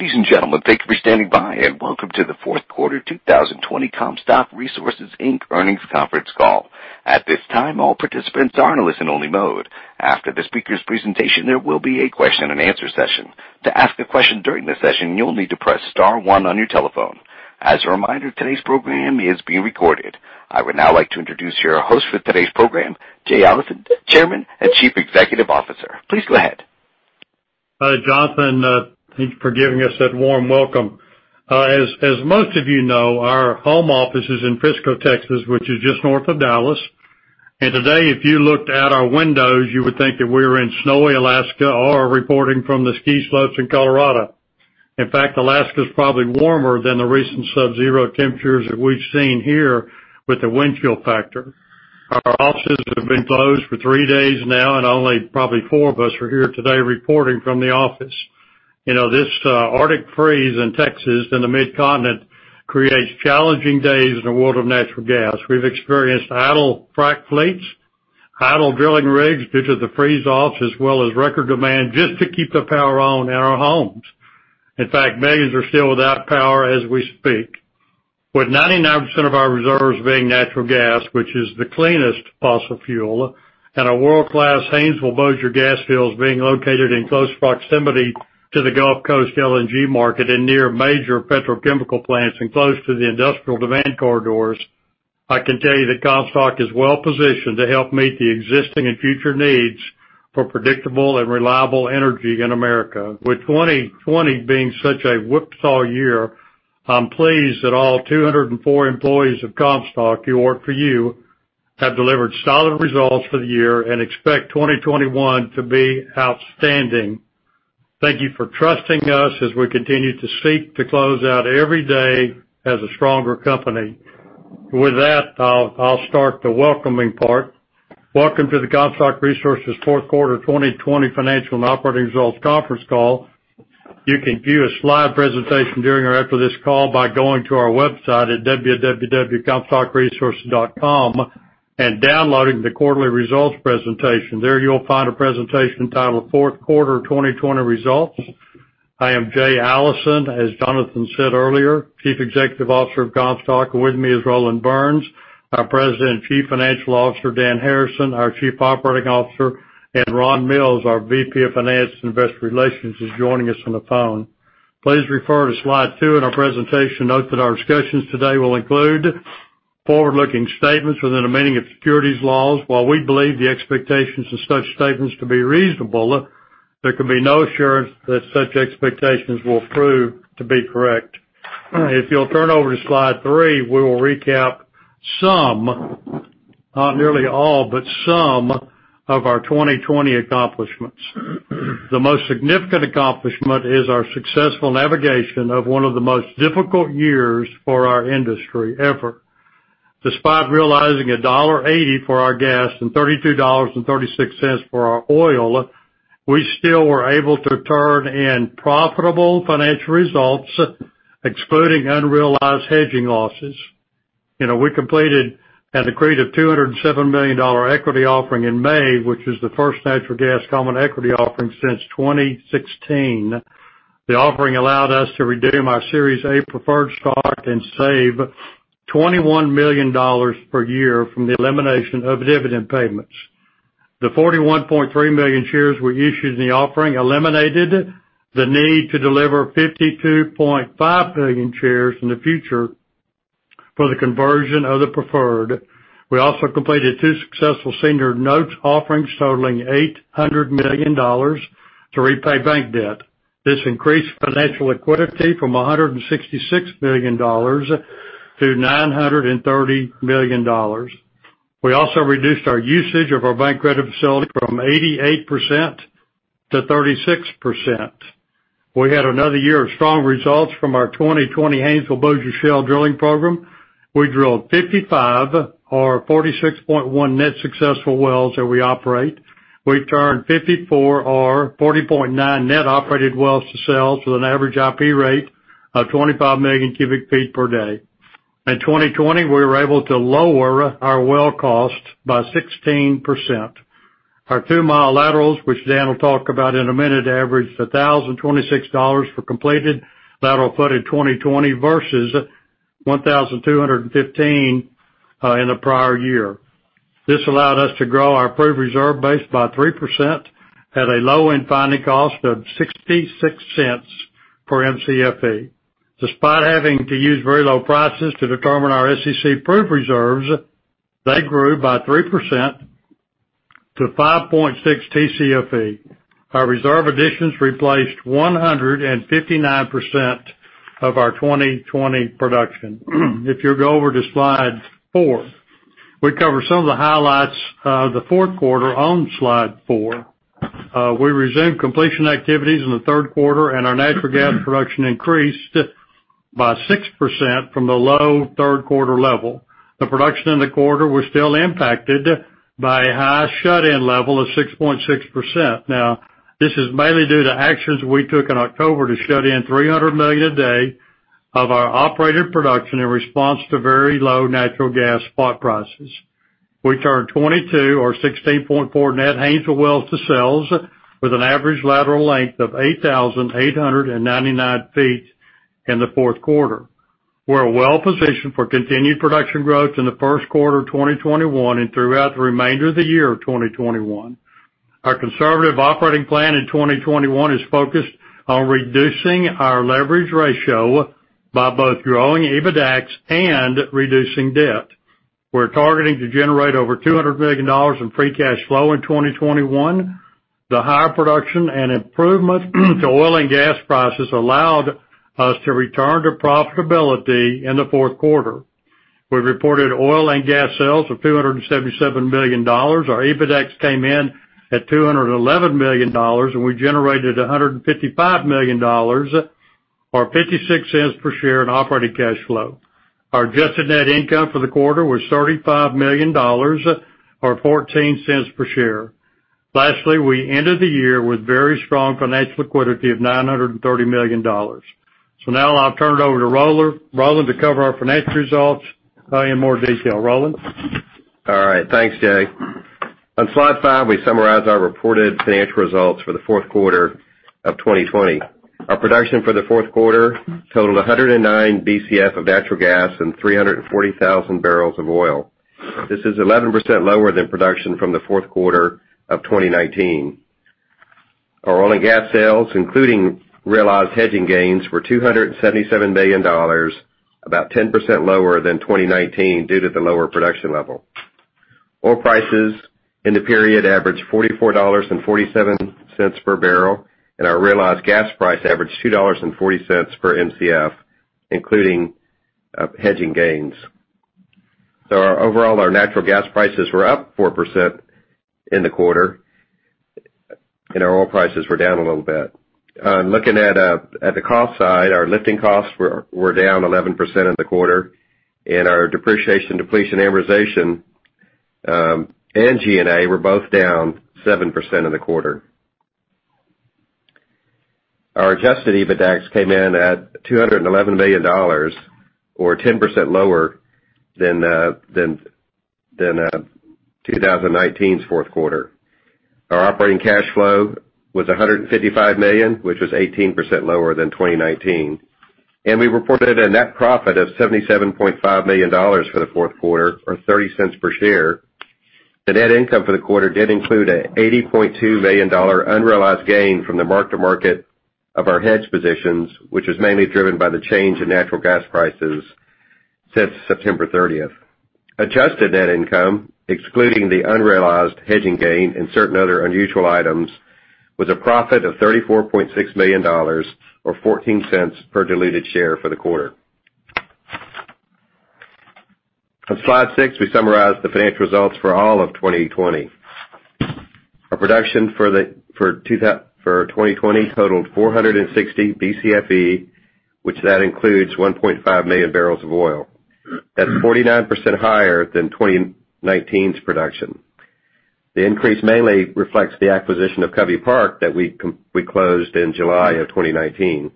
Ladies and gentlemen, thank you for standing by, and welcome to the fourth quarter 2020 Comstock Resources, Inc. earnings conference call. At this time, all participants are in a listen only mode. After the speaker's presentation, there will be a question-and-answer session. To ask a question during the session, you'll need to press star one on your telephone. As a reminder, today's program is being recorded. I would now like to introduce your host for today's program, Jay Allison, Chairman and Chief Executive Officer. Please go ahead. Hi, Jonathan. Thanks for giving us that warm welcome. As most of you know, our home office is in Frisco, Texas, which is just north of Dallas. Today, if you looked out our windows, you would think that we were in snowy Alaska or reporting from the ski slopes in Colorado. In fact, Alaska's probably warmer than the recent subzero temperatures that we've seen here with the wind chill factor. Our offices have been closed for three days now, and only probably four of us are here today reporting from the office. This arctic freeze in Texas and the mid-continent creates challenging days in the world of natural gas. We've experienced idle frac fleets, idle drilling rigs due to the freeze offs, as well as record demand just to keep the power on in our homes. In fact, millions are still without power as we speak. With 99% of our reserves being natural gas, which is the cleanest fossil fuel, and our world-class Haynesville/Bossier gas fields being located in close proximity to the Gulf Coast LNG market and near major petrochemical plants and close to the industrial demand corridors, I can tell you that Comstock is well-positioned to help meet the existing and future needs for predictable and reliable energy in America. With 2020 being such a whipsaw year, I'm pleased that all 204 employees of Comstock who work for you have delivered solid results for the year and expect 2021 to be outstanding. Thank you for trusting us as we continue to seek to close out every day as a stronger company. With that, I'll start the welcoming part. Welcome to the Comstock Resources fourth quarter 2020 financial and operating results conference call. You can view a slide presentation during or after this call by going to our website at www.comstockresources.com and downloading the quarterly results presentation. There you'll find a presentation titled, fourth quarter 2020 results. I am Jay Allison, as Jonathan said earlier, Chief Executive Officer of Comstock, and with me is Roland Burns, our President and Chief Financial Officer, Dan Harrison, our Chief Operating Officer, and Ron Mills, our VP of Finance and Investor Relations, is joining us on the phone. Please refer to slide two in our presentation. Note that our discussions today will include forward-looking statements within the meaning of securities laws. While we believe the expectations of such statements to be reasonable, there can be no assurance that such expectations will prove to be correct. If you'll turn over to slide three, we will recap some, not nearly all, but some of our 2020 accomplishments. The most significant accomplishment is our successful navigation of one of the most difficult years for our industry ever. Despite realizing $1.80 for our gas and $32.36 for our oil, we still were able to turn in profitable financial results, excluding unrealized hedging losses. We completed an agreed of $207 million equity offering in May, which is the first natural gas common equity offering since 2016. The offering allowed us to redeem our Series A preferred stock and save $21 million per year from the elimination of dividend payments. The 41.3 million shares we issued in the offering eliminated the need to deliver 52.5 million shares in the future for the conversion of the preferred. We also completed two successful senior notes offerings totaling $800 million to repay bank debt. This increased financial liquidity from $166 million-$930 million. We also reduced our usage of our bank credit facility from 88% to 36%. We had another year of strong results from our 2020 Haynesville/Bossier shale drilling program. We drilled 55 or 46.1 net successful wells that we operate. We turned 54 or 40.9 net operated wells to sales with an average IP rate of 25 million cu ft per day. In 2020, we were able to lower our well cost by 16%. Our two-mile laterals, which Dan will talk about in a minute, averaged $1,026 for completed lateral foot in 2020 versus $1,215 in the prior year. This allowed us to grow our proved reserve base by 3% at a low-end finding cost of $0.66 per Mcfe. Despite having to use very low prices to determine our SEC proved reserves, they grew by 3% to 5.6 Tcfe. Our reserve additions replaced 159% of our 2020 production. If you'll go over to slide four, we cover some of the highlights of the fourth quarter on slide four. We resumed completion activities in the third quarter. Our natural gas production increased by 6% from the low third quarter level. The production in the quarter was still impacted by a high shut-in level of 6.6%. This is mainly due to actions we took in October to shut in 300 million a day of our operator production in response to very low natural gas spot prices. We turned 22 or 16.4 net Haynesville wells to sales with an average lateral length of 8,899 ft in the fourth quarter. We're well-positioned for continued production growth in the first quarter of 2021 and throughout the remainder of the year of 2021. Our conservative operating plan in 2021 is focused on reducing our leverage ratio by both growing EBITDAX and reducing debt. We're targeting to generate over $200 million in free cash flow in 2021. The higher production and improvement to oil and gas prices allowed us to return to profitability in the fourth quarter. We reported oil and gas sales of $277 million. Our EBITDAX came in at $211 million, and we generated $155 million, or $0.56 per share in operating cash flow. Our adjusted net income for the quarter was $35 million, or $0.14 per share. Lastly, we ended the year with very strong financial liquidity of $930 million. Now I'll turn it over to Roland to cover our financial results in more detail. Roland? All right. Thanks, Jay. On slide five, we summarize our reported financial results for the fourth quarter of 2020. Our production for the fourth quarter totaled 109 Bcf of natural gas and 340,000 bbl of oil. This is 11% lower than production from the fourth quarter of 2019. Our oil and gas sales, including realized hedging gains, were $277 million, about 10% lower than 2019 due to the lower production level. Oil prices in the period averaged $44.47 per bbl. Our realized gas price averaged $2.40 per Mcf, including hedging gains. Overall, our natural gas prices were up 4% in the quarter, and our oil prices were down a little bit. Looking at the cost side, our lifting costs were down 11% in the quarter, and our depreciation, depletion, amortization, and G&A were both down 7% in the quarter. Our adjusted EBITDAX came in at $211 million, or 10% lower than 2019's fourth quarter. Our operating cash flow was $155 million, which was 18% lower than 2019. We reported a net profit of $77.5 million for the fourth quarter, or $0.30 per share. The net income for the quarter did include an $80.2 million unrealized gain from the mark to market of our hedge positions, which was mainly driven by the change in natural gas prices since September 30th. Adjusted net income, excluding the unrealized hedging gain and certain other unusual items, was a profit of $34.6 million or $0.14 per diluted share for the quarter. On slide six, we summarize the financial results for all of 2020. Our production for 2020 totaled 460 Bcfe, which that includes 1.5 million bbl of oil. That's 49% higher than 2019's production. The increase mainly reflects the acquisition of Covey Park that we closed in July of 2019.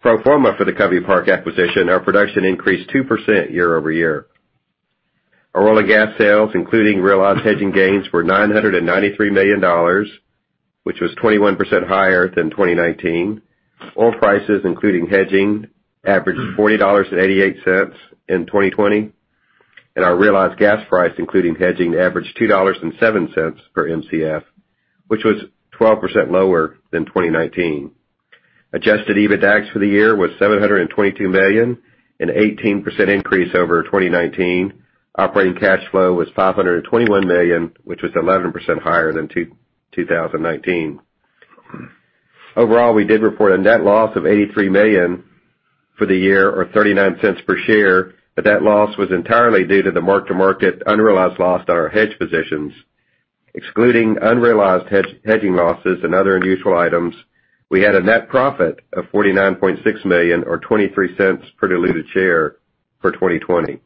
Pro forma for the Covey Park acquisition, our production increased 2% year-over-year. Our oil and gas sales, including realized hedging gains, were $993 million, which was 21% higher than 2019. Oil prices, including hedging, averaged $40.88 in 2020, and our realized gas price, including hedging, averaged $2.07 per Mcf, which was 12% lower than 2019. Adjusted EBITDAX for the year was $722 million, an 18% increase over 2019. Operating cash flow was $521 million, which was 11% higher than 2019. Overall, we did report a net loss of $83 million for the year or $0.39 per share, but that loss was entirely due to the mark-to-market unrealized loss on our hedge positions. Excluding unrealized hedging losses and other unusual items, we had a net profit of $49.6 million or $0.23 per diluted share for 2020.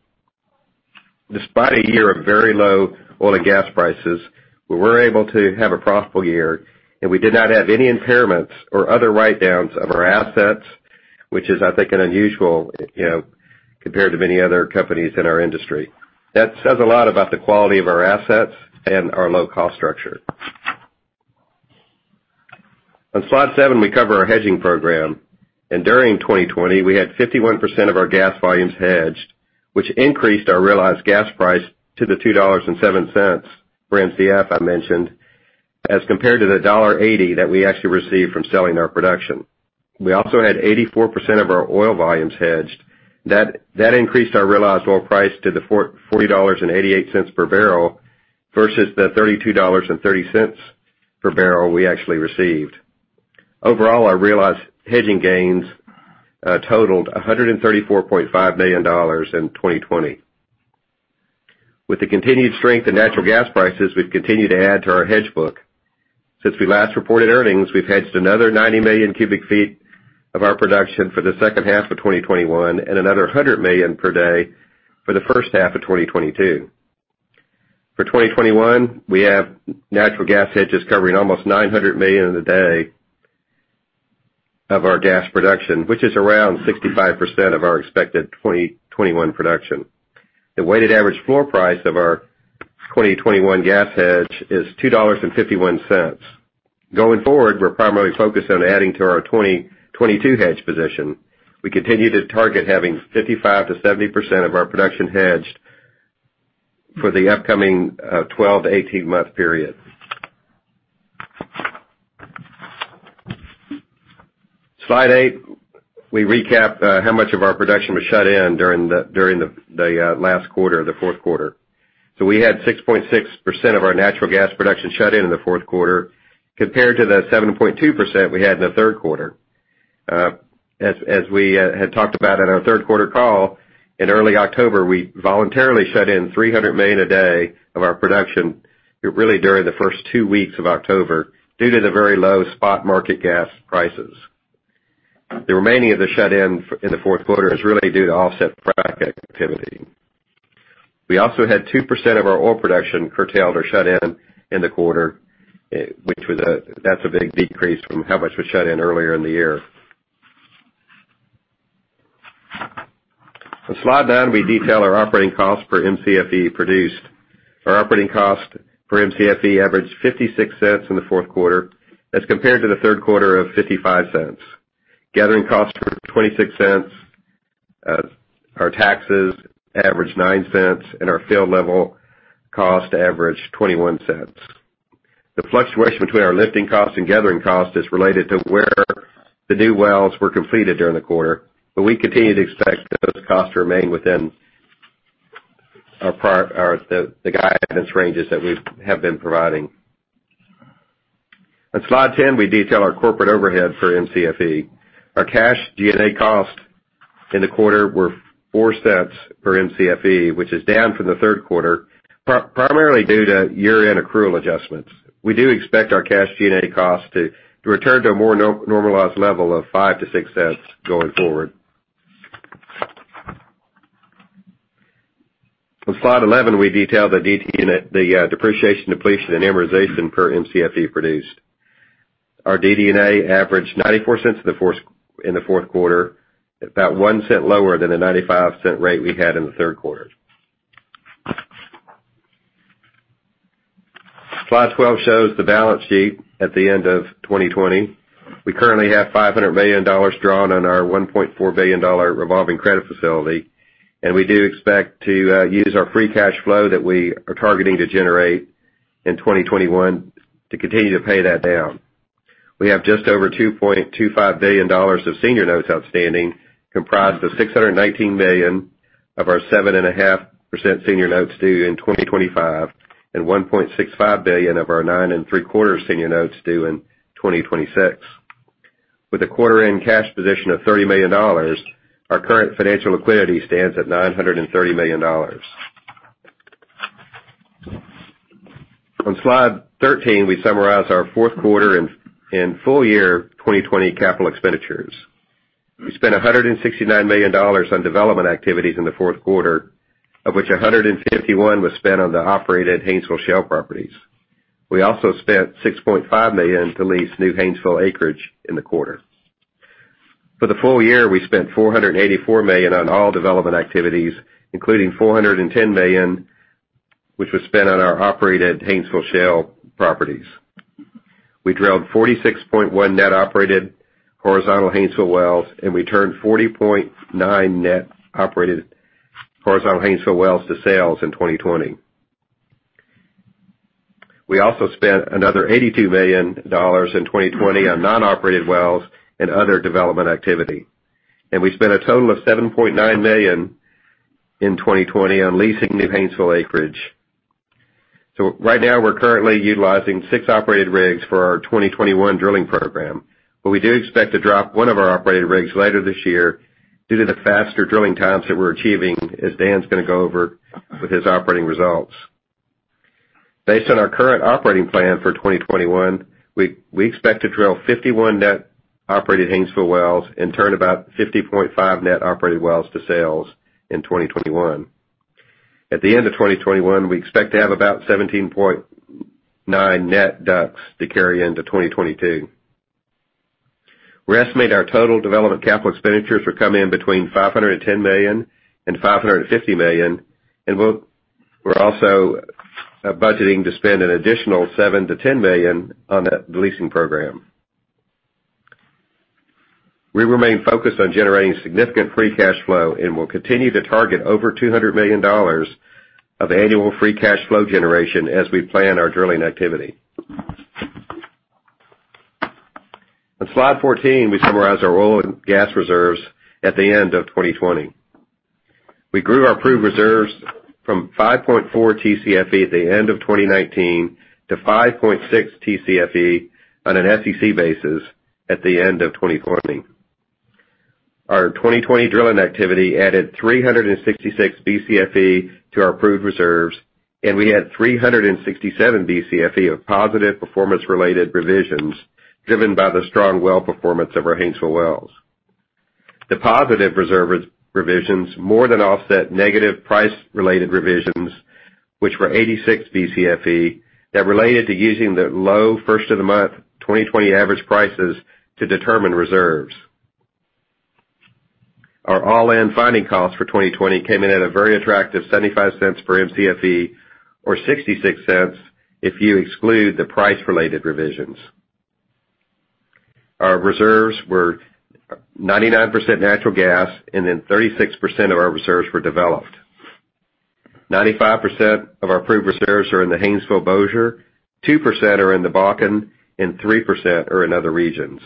Despite a year of very low oil and gas prices, we were able to have a profitable year, and we did not have any impairments or other write-downs of our assets, which is, I think, unusual, compared to many other companies in our industry. That says a lot about the quality of our assets and our low-cost structure. On slide seven, we cover our hedging program. During 2020, we had 51% of our gas volumes hedged, which increased our realized gas price to the $2.07 per Mcf I mentioned, as compared to the $1.80 that we actually received from selling our production. We also had 84% of our oil volumes hedged. That increased our realized oil price to the $40.88 per bbl versus the $32.30 per bbl we actually received. Overall, our realized hedging gains totaled $134.5 million in 2020. With the continued strength in natural gas prices, we've continued to add to our hedge book. Since we last reported earnings, we've hedged another 90 million cu ft of our production for the second half of 2021 and another 100 million per day for the first half of 2022. For 2021, we have natural gas hedges covering almost 900 million a day of our gas production, which is around 65% of our expected 2021 production. The weighted average floor price of our 2021 gas hedge is $2.51. Going forward, we're primarily focused on adding to our 2022 hedge position. We continue to target having 55%-70% of our production hedged for the upcoming 12–18-month period. Slide eight, we recap how much of our production was shut in during the last quarter, the fourth quarter. We had 6.6% of our natural gas production shut in the fourth quarter compared to the 7.2% we had in the third quarter. As we had talked about in our third quarter call, in early October, we voluntarily shut in $300 million a day of our production, really during the first two weeks of October, due to the very low spot market gas prices. The remaining of the shut in the fourth quarter is really due to offset frac activity. We also had 2% of our oil production curtailed or shut in the quarter. That's a big decrease from how much was shut in earlier in the year. On Slide nine, we detail our operating costs per Mcfe produced. Our operating cost for Mcfe averaged $0.56 in the fourth quarter as compared to the third quarter of $0.55. Gathering costs were $0.26, our taxes averaged $0.09, and our field level cost averaged $0.21. The fluctuation between our lifting cost and gathering cost is related to where the new wells were completed during the quarter, but we continue to expect those costs to remain within the guidance ranges that we have been providing. On slide 10, we detail our corporate overhead for Mcfe. Our cash G&A costs in the quarter were $0.04 per Mcfe, which is down from the third quarter, primarily due to year-end accrual adjustments. We do expect our cash G&A cost to return to a more normalized level of $0.05-$0.06 going forward. On slide 11, we detail the DD&A, the depreciation, depletion, and amortization per Mcfe produced. Our DD&A averaged $0.94 in the fourth quarter, about $0.01 lower than the $0.95 rate we had in the third quarter. Slide 12 shows the balance sheet at the end of 2020. We currently have $500 million drawn on our $1.4 billion revolving credit facility, we do expect to use our free cash flow that we are targeting to generate in 2021 to continue to pay that down. We have just over $2.25 billion of senior notes outstanding, comprised of $619 million of our 7.5% senior notes due in 2025 and $1.65 billion of our 9.75% senior notes due in 2026. With a quarter end cash position of $30 million, our current financial liquidity stands at $930 million. On slide 13, we summarize our fourth quarter and full year 2020 capital expenditures. We spent $169 million on development activities in the fourth quarter, of which $151 million was spent on the operated Haynesville Shale properties. We also spent $6.5 million to lease new Haynesville acreage in the quarter. For the full year, we spent $484 million on all development activities, including $410 million, which was spent on our operated Haynesville Shale properties. We drilled 46.1 net operated horizontal Haynesville wells, and we turned 40.9 net operated horizontal Haynesville wells to sales in 2020. We also spent another $82 million in 2020 on non-operated wells and other development activity. We spent a total of $7.9 million in 2020 on leasing new Haynesville acreage. Right now we're currently utilizing 6 operated rigs for our 2021 drilling program, but we do expect to drop one of our operated rigs later this year due to the faster drilling times that we're achieving, as Dan's gonna go over with his operating results. Based on our current operating plan for 2021, we expect to drill 51 net operated Haynesville wells and turn about 50.5 net operated wells to sales in 2021. At the end of 2021, we expect to have about 17.9 net DUCs to carry into 2022. We estimate our total development capital expenditures will come in between $510 million and $550 million, and we're also budgeting to spend an additional $7 million-$10 million on the leasing program. We remain focused on generating significant free cash flow and will continue to target over $200 million of annual free cash flow generation as we plan our drilling activity. On slide 14, we summarize our oil and gas reserves at the end of 2020. We grew our proved reserves from 5.4 Tcfe at the end of 2019 to 5.6 Tcfe on an SEC basis at the end of 2020. Our 2020 drilling activity added 366 Bcfe to our proved reserves, and we had 367 Bcfe of positive performance-related revisions driven by the strong well performance of our Haynesville wells. The positive reserve revisions more than offset negative price-related revisions, which were 86 Bcfe, that related to using the low first of the month 2020 average prices to determine reserves. Our all-in finding cost for 2020 came in at a very attractive $0.75 per Mcfe, or $0.66 if you exclude the price-related revisions. Our reserves were 99% natural gas and then 36% of our reserves were developed. 95% of our proved reserves are in the Haynesville/Bossier, 2% are in the Bakken, and 3% are in other regions.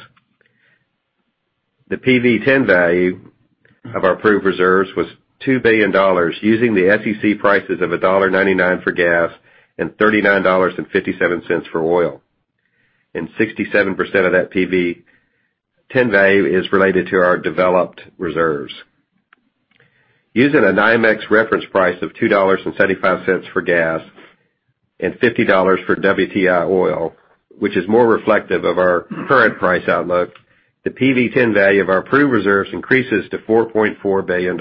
The PV-10 value of our proved reserves was $2 billion, using the SEC prices of $1.99 for gas and $39.57 for oil, and 67% of that PV-10 value is related to our developed reserves. Using a NYMEX reference price of $2.75 for gas and $50 for WTI oil, which is more reflective of our current price outlook, the PV-10 value of our proved reserves increases to $4.4 billion.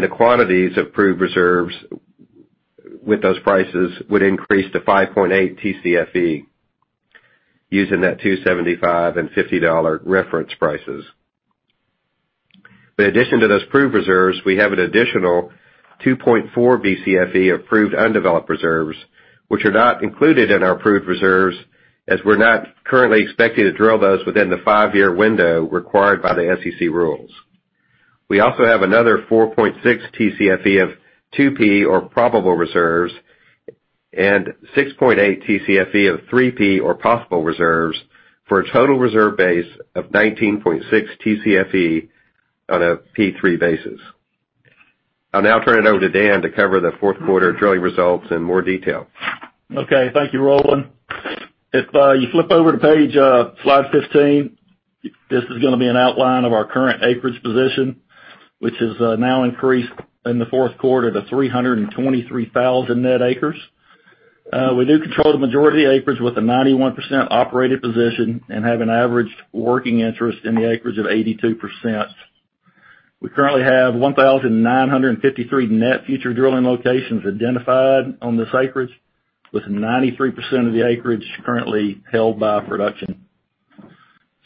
The quantities of proved reserves with those prices would increase to 5.8 Tcfe using that $2.75 and $50 reference prices. In addition to those proved reserves, we have an additional 2.4 Bcfe of proved undeveloped reserves, which are not included in our proved reserves, as we're not currently expecting to drill those within the five-year window required by the SEC rules. We also have another 4.6 Tcfe of 2 P or probable reserves and 6.8 Tcfe of 3 P or possible reserves for a total reserve base of 19.6 Tcfe on a P3 basis. I'll now turn it over to Dan to cover the fourth quarter drilling results in more detail. Okay. Thank you, Roland. If you flip over to slide 15, this is gonna be an outline of our current acreage position, which has now increased in the fourth quarter to 323,000 net acres. We do control the majority of the acreage with a 91% operated position and have an average working interest in the acreage of 82%. We currently have 1,953 net future drilling locations identified on this acreage, with 93% of the acreage currently held by production.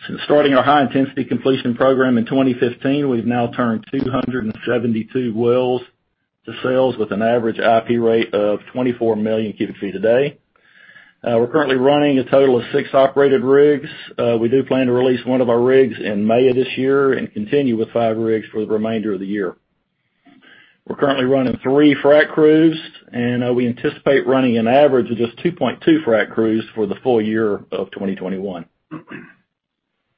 Since starting our high-intensity completion program in 2015, we've now turned 272 wells to sales with an average IP rate of 24 million cu ft a day. We're currently running a total of six operated rigs. We do plan to release one of our rigs in May of this year and continue with five rigs for the remainder of the year. We're currently running three frac crews, and we anticipate running an average of just 2.2 frac crews for the full year of 2021.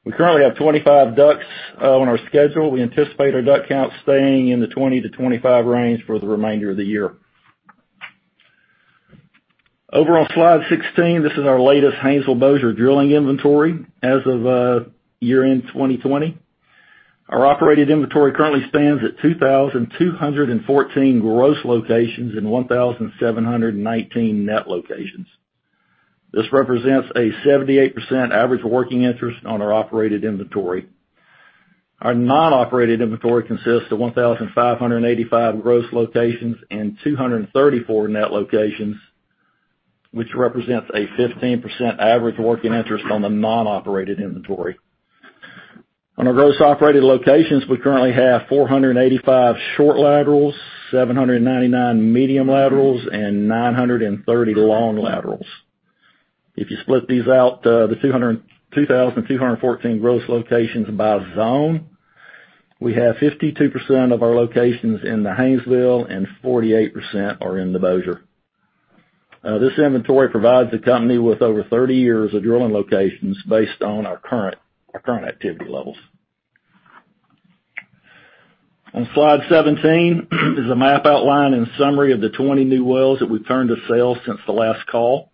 We currently have 25 DUCs on our schedule. We anticipate our DUC count staying in the 20-25 range for the remainder of the year. Overall, slide 16, this is our latest Haynesville/Bossier drilling inventory as of year-end 2020. Our operated inventory currently stands at 2,214 gross locations and 1,719 net locations. This represents a 78% average working interest on our operated inventory. Our non-operated inventory consists of 1,585 gross locations and 234 net locations, which represents a 15% average working interest on the non-operated inventory. On our gross operated locations, we currently have 485 short laterals, 799 medium laterals, and 930 long laterals. If you split these out, the 2,214 gross locations by zone, we have 52% of our locations in the Haynesville and 48% are in the Bossier. This inventory provides the company with over 30 years of drilling locations based on our current activity levels. On slide 17 is a map outline and summary of the 20 new wells that we've turned to sales since the last call.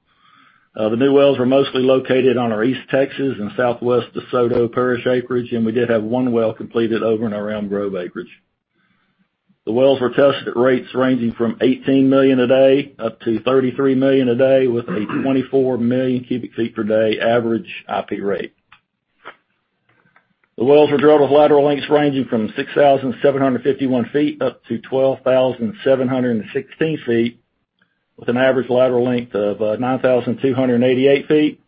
The new wells were mostly located on our East Texas and Southwest DeSoto Parish acreage, and we did have one well completed over in our Elm Grove acreage. The wells were tested at rates ranging from 18 million a day up to 33 million a day with a 24 million cu ft per day average IP rate. The wells were drilled with lateral lengths ranging from 6,751 ft up to 12,716 ft with an average lateral length of 9,288 ft,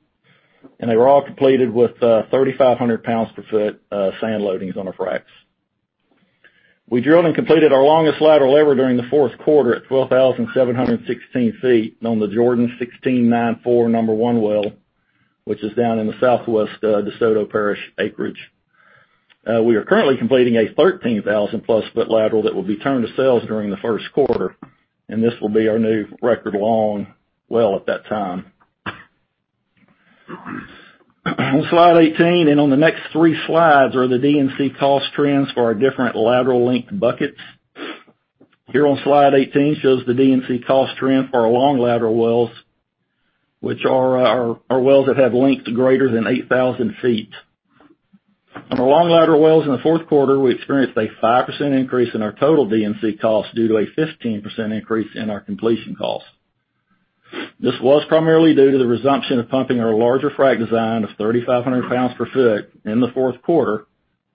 and they were all completed with 3,500 pounds per ft sand loadings on the fracs. We drilled and completed our longest lateral ever during the fourth quarter at 12,716 ft on the Jordan 1694 number 1 well, which is down in the southwest DeSoto Parish acreage. We are currently completing a 13,000+ ft lateral that will be turned to sales during the first quarter, and this will be our new record long well at that time. On slide 18 and on the next three slides are the D&C cost trends for our different lateral length buckets. Here on slide 18 shows the D&C cost trend for our long lateral wells, which are our wells that have lengths greater than 8,000 ft. On our long lateral wells in the fourth quarter, we experienced a 5% increase in our total D&C cost due to a 15% increase in our completion cost. This was primarily due to the resumption of pumping our larger frac design of 3,500 pounds per ft in the fourth quarter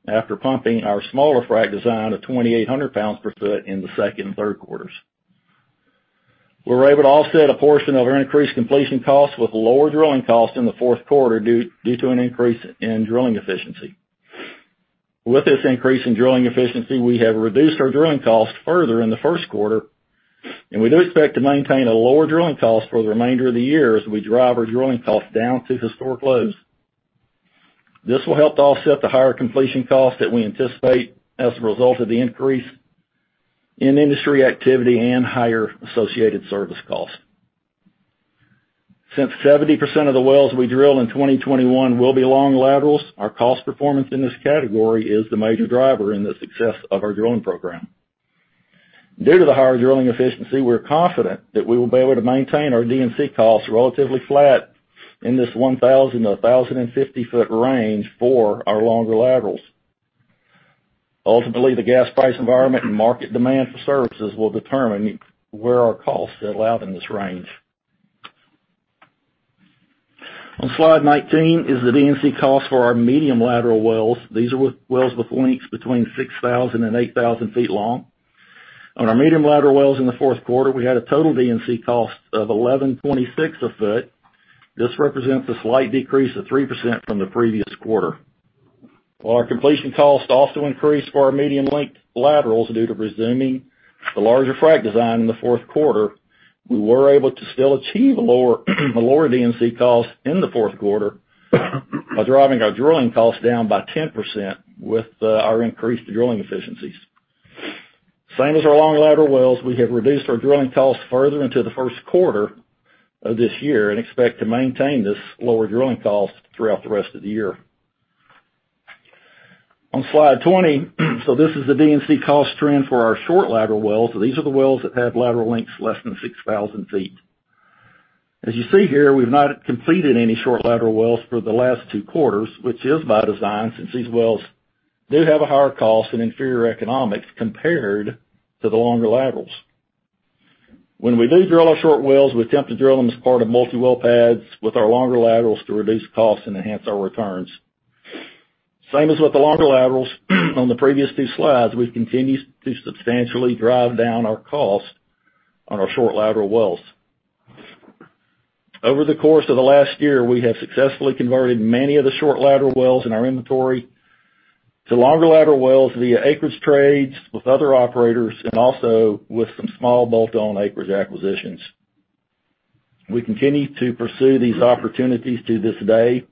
after pumping our smaller frac design of 2,800 pounds per ft in the second and third quarters. We were able to offset a portion of our increased completion costs with lower drilling costs in the fourth quarter due to an increase in drilling efficiency. With this increase in drilling efficiency, we have reduced our drilling costs further in the first quarter, and we do expect to maintain a lower drilling cost for the remainder of the year as we drive our drilling costs down to historic lows. This will help to offset the higher completion costs that we anticipate as a result of the increase in industry activity and higher associated service costs. Since 70% of the wells we drill in 2021 will be long laterals, our cost performance in this category is the major driver in the success of our drilling program. Due to the higher drilling efficiency, we're confident that we will be able to maintain our D&C costs relatively flat in this 1,000 ft-1,050 ft range for our longer laterals. Ultimately, the gas price environment and market demand for services will determine where our costs settle out in this range. On slide 19 is the D&C cost for our medium lateral wells. These are wells with lengths between 6,000 and 8,000 ft long. On our medium lateral wells in the fourth quarter, we had a total D&C cost of $1,126 a ft. This represents a slight decrease of 3% from the previous quarter. While our completion cost also increased for our medium-length laterals due to resuming the larger frac design in the fourth quarter, we were able to still achieve a lower D&C cost in the fourth quarter by driving our drilling costs down by 10% with our increased drilling efficiencies. Same as our long lateral wells, we have reduced our drilling costs further into the first quarter of this year and expect to maintain this lower drilling cost throughout the rest of the year. On slide 20, this is the D&C cost trend for our short lateral wells. These are the wells that have lateral lengths less than 6,000 ft. As you see here, we've not completed any short lateral wells for the last two quarters, which is by design, since these wells do have a higher cost and inferior economics compared to the longer laterals. When we do drill our short wells, we attempt to drill them as part of multi-well pads with our longer laterals to reduce costs and enhance our returns. Same as with the longer laterals, on the previous two slides, we've continued to substantially drive down our cost on our short lateral wells. Over the course of the last year, we have successfully converted many of the short lateral wells in our inventory to longer lateral wells via acreage trades with other operators and also with some small bolt-on acreage acquisitions. We continue to pursue these opportunities to this day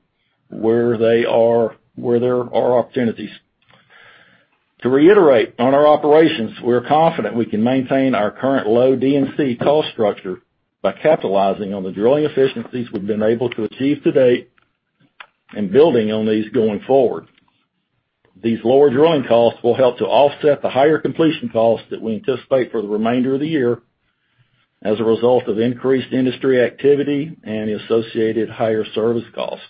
where there are opportunities. To reiterate on our operations, we're confident we can maintain our current low D&C cost structure by capitalizing on the drilling efficiencies we've been able to achieve to date and building on these going forward. These lower drilling costs will help to offset the higher completion costs that we anticipate for the remainder of the year as a result of increased industry activity and associated higher service costs.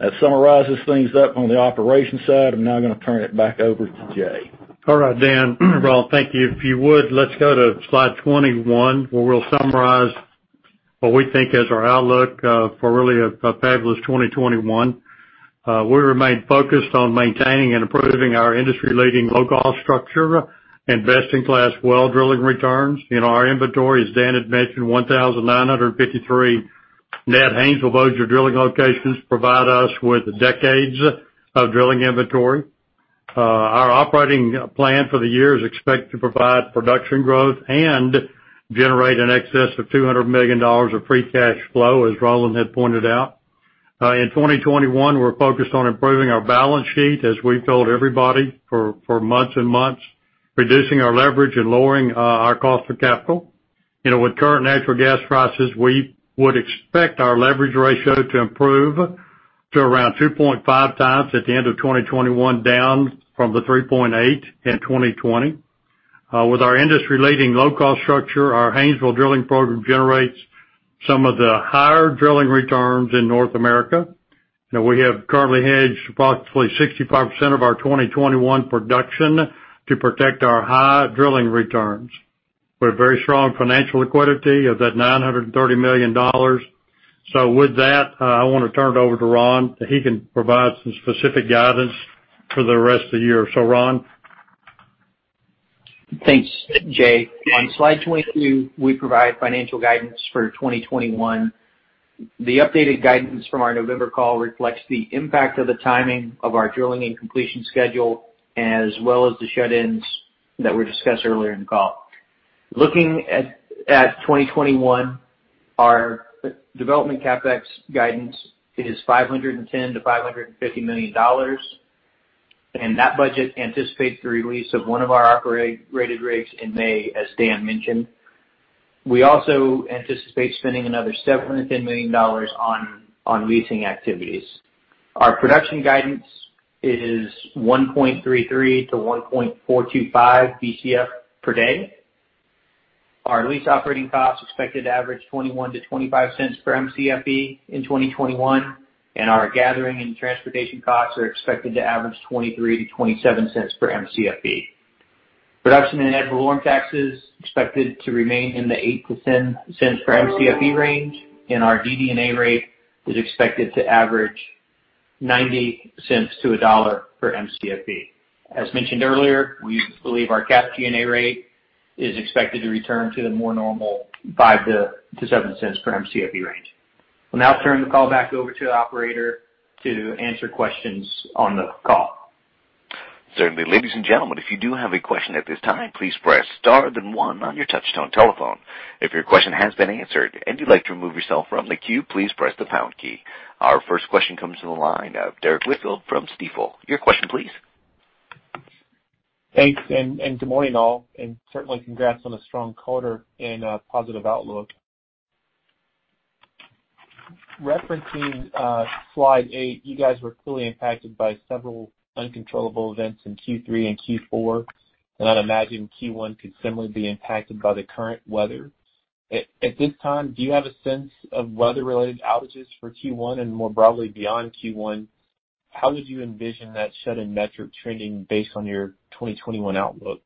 That summarizes things up on the operations side. I'm now going to turn it back over to Jay. All right, Dan, Ron, thank you. If you would, let's go to slide 21, where we'll summarize what we think is our outlook for really a fabulous 2021. We remain focused on maintaining and improving our industry-leading low-cost structure and best-in-class well drilling returns. Our inventory, as Dan had mentioned, 1,953 net Haynesville/Bossier drilling locations provide us with decades of drilling inventory. Our operating plan for the year is expected to provide production growth and generate in excess of $200 million of free cash flow, as Roland had pointed out. In 2021, we're focused on improving our balance sheet, as we've told everybody for months and months, reducing our leverage and lowering our cost of capital. With current natural gas prices, we would expect our leverage ratio to improve to around 2.5 times at the end of 2021, down from the 3.8 in 2020. With our industry-leading low-cost structure, our Haynesville drilling program generates some of the higher drilling returns in North America. We have currently hedged approximately 65% of our 2021 production to protect our high drilling returns. We have very strong financial liquidity of that $930 million. With that, I want to turn it over to Ron. He can provide some specific guidance for the rest of the year. Ron? Thanks, Jay. On Slide 22, we provide financial guidance for 2021. The updated guidance from our November call reflects the impact of the timing of our drilling and completion schedule as well as the shut-ins that were discussed earlier in the call. Looking at 2021, our development CapEx guidance is $510 million-$550 million. That budget anticipates the release of one of our operated rigs in May, as Dan mentioned. We also anticipate spending another $710 million on leasing activities. Our production guidance is 1.33 Bcf-1.425 Bcf per day. Our lease operating cost is expected to average $0.21 per Mcfe-$0.25 per Mcfe in 2021. Our gathering and transportation costs are expected to average $0.23 per Mcfe-$0.27 per Mcfe. Production and severance taxes expected to remain in the $0.08 per Mcfe-$0.10 per Mcfe range. Our DD&A rate is expected to average $0.90 per Mcfe-$1.00 per Mcfe. As mentioned earlier, we believe our cash G&A rate is expected to return to the more normal $0.05 per Mcfe-$0.07 per Mcfe range. We will now turn the call back over to the operator to answer questions on the call. Certainly. Ladies and gentlemen, if you do have a question at this time, please press star then one on your touchtone telephone. If your question has been answered and you'd like to remove yourself from the queue, please press the pound key. Our first question comes to the line of Derrick Whitfield from Stifel. Your question please. Thanks, good morning all, and certainly congrats on a strong quarter and a positive outlook. Referencing Slide eight, you guys were clearly impacted by several uncontrollable events in Q3 and Q4, and I'd imagine Q1 could similarly be impacted by the current weather. At this time, do you have a sense of weather-related outages for Q1 and more broadly beyond Q1? How did you envision that shut-in metric trending based on your 2021 outlook?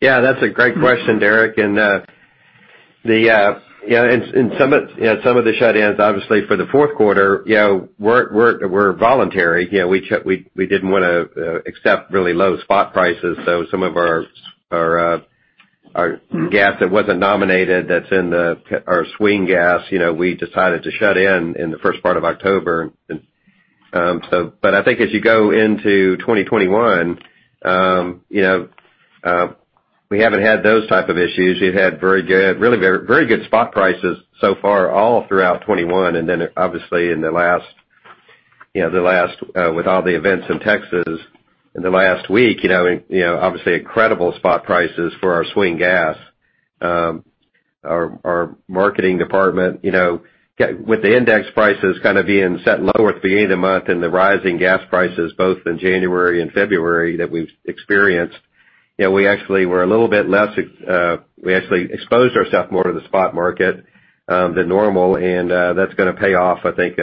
Yeah, that's a great question, Derrick. some of the shut-ins, obviously, for the fourth quarter, were voluntary. We didn't want to accept really low spot prices. some of our gas that wasn't nominated, that's in our swing gas, we decided to shut in in the first part of October. I think as you go into 2021, we haven't had those type of issues. We've had very good spot prices so far all throughout 2021. then obviously, with all the events in Texas in the last week, obviously, incredible spot prices for our swing gas. Our marketing department, with the index prices setting lower at the beginning of the month and the rising gas prices both in January and February that we've experienced, we actually exposed ourself more to the spot market than normal, and that's going to pay off, I think,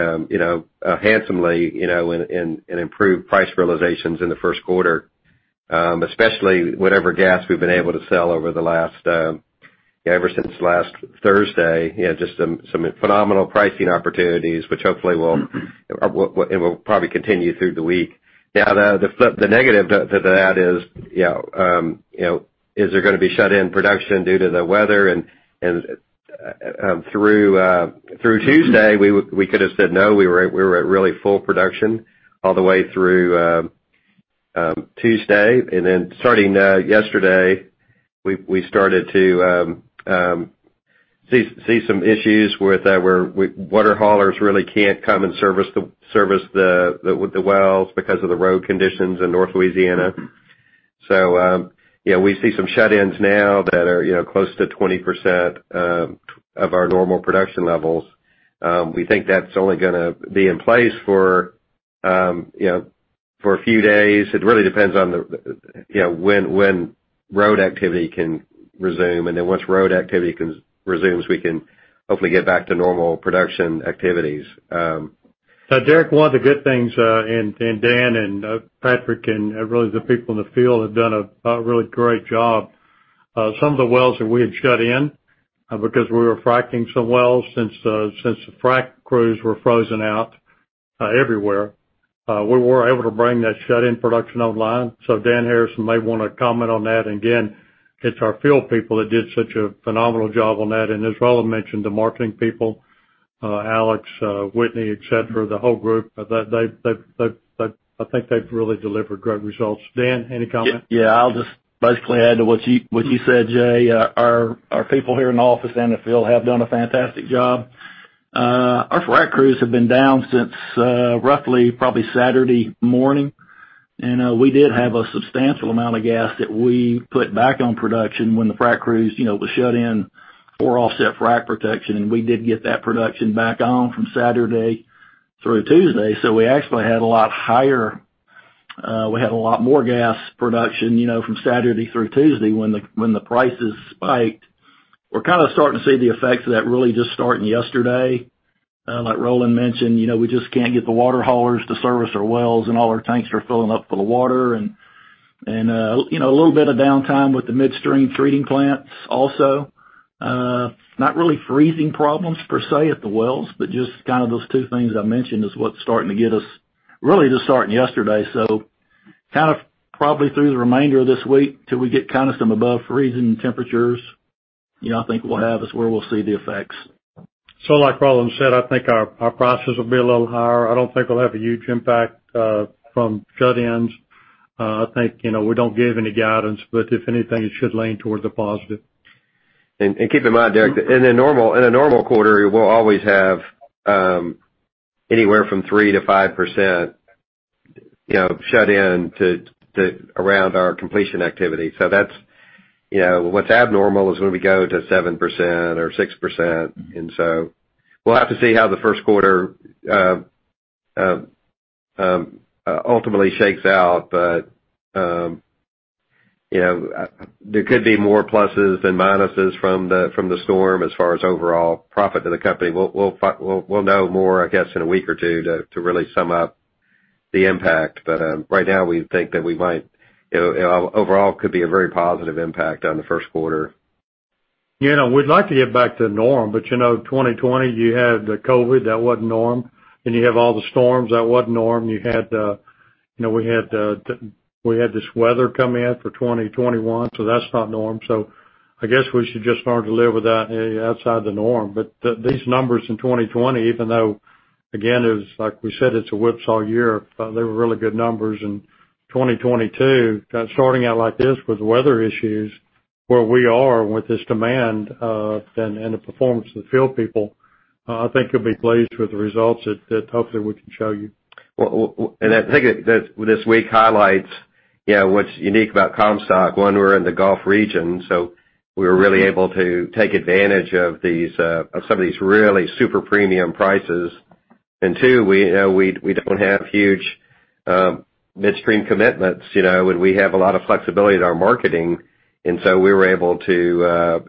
handsomely in improved price realizations in the first quarter. Especially whatever gas we've been able to sell ever since last Thursday, just some phenomenal pricing opportunities, which hopefully it will probably continue through the week. Now, the negative to that is there going to be shut-in production due to the weather? Through Tuesday, we could have said no. We were at really full production all the way through Tuesday. Then starting yesterday, we started to see some issues where water haulers really can't come and service the wells because of the road conditions in North Louisiana. We see some shut-ins now that are close to 20% of our normal production levels. We think that's only going to be in place for a few days. It really depends on when road activity can resume. once road activity resumes, we can hopefully get back to normal production activities. Derrick, one of the good things, and Dan and Patrick and really the people in the field have done a really great job. Some of the wells that we had shut in because we were fracking some wells since the frack crews were frozen out everywhere, we were able to bring that shut-in production online. Dan Harrison may want to comment on that. Again, it's our field people that did such a phenomenal job on that. As Roland mentioned, the marketing people, Alex, Whitney, et cetera, the whole group, I think they've really delivered great results. Dan, any comment? Yeah, I'll just basically add to what you said, Jay. Our people here in the office and the field have done a fantastic job. Our frack crews have been down since roughly probably Saturday morning. We did have a substantial amount of gas that we put back on production when the frack crews was shut in for offset frack protection, and we did get that production back on from Saturday through Tuesday. We actually had a lot more gas production from Saturday through Tuesday when the prices spiked. We're kind of starting to see the effects of that really just starting yesterday. Like Roland mentioned, we just can't get the water haulers to service our wells, and all our tanks are filling up with the water. A little bit of downtime with the midstream treating plants also. Not really freezing problems per se at the wells, but just kind of those two things I mentioned is what's starting to get us really just starting yesterday. Kind of probably through the remainder of this week till we get kind of some above freezing temperatures, I think we'll have is where we'll see the effects. Like Roland said, I think our prices will be a little higher. I don't think it'll have a huge impact from shut-ins. I think, we don't give any guidance, but if anything, it should lean towards the positive. Keep in mind, Derrick, in a normal quarter, we'll always have anywhere from 3% to 5% shut-in to around our completion activity. What's abnormal is when we go to 7% or 6%. we'll have to see how the first quarter ultimately shakes out. There could be more pluses than minuses from the storm as far as overall profit to the company. We'll know more, I guess, in a week or two to really sum up the impact. right now, we think that we might overall could be a very positive impact on the first quarter. We'd like to get back to norm, but 2020, you had the COVID, that wasn't norm, then you have all the storms. That wasn't norm. We had this weather coming in for 2021, so that's not norm. I guess we should just learn to live with that outside the norm. These numbers in 2020, even though, again, like we said, it's a whipsaw year, they were really good numbers. 2022, starting out like this with weather issues, where we are with this demand and the performance of the field people, I think you'll be pleased with the results that hopefully we can show you. Well, I think this week highlights what's unique about Comstock. One, we're in the Gulf region, so we were really able to take advantage of some of these really super premium prices. Two, we don't have huge midstream commitments, and we have a lot of flexibility in our marketing, and so we were able to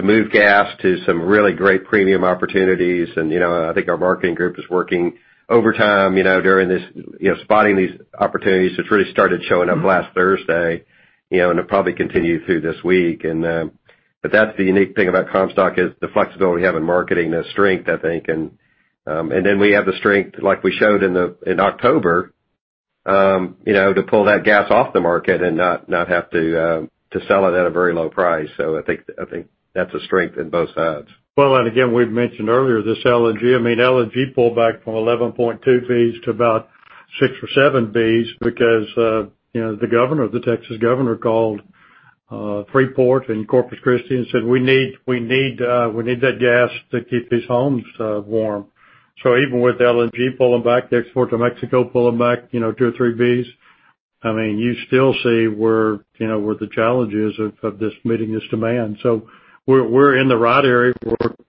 move gas to some really great premium opportunities. I think our marketing group is working overtime during this, spotting these opportunities, which really started showing up last Thursday, and it'll probably continue through this week. That's the unique thing about Comstock is the flexibility we have in marketing, the strength, I think. We have the strength, like we showed in October, to pull that gas off the market and not have to sell it at a very low price. I think that's a strength in both sides. Well, again, we've mentioned earlier this LNG. LNG pulled back from 11.2 Bs to about six or seven Bs because the governor of Texas called Freeport and Corpus Christi and said, "We need that gas to keep these homes warm." Even with LNG pulling back, the export to Mexico pulling back two or three Bs, you still see where the challenge is of this meeting this demand. We're in the right area.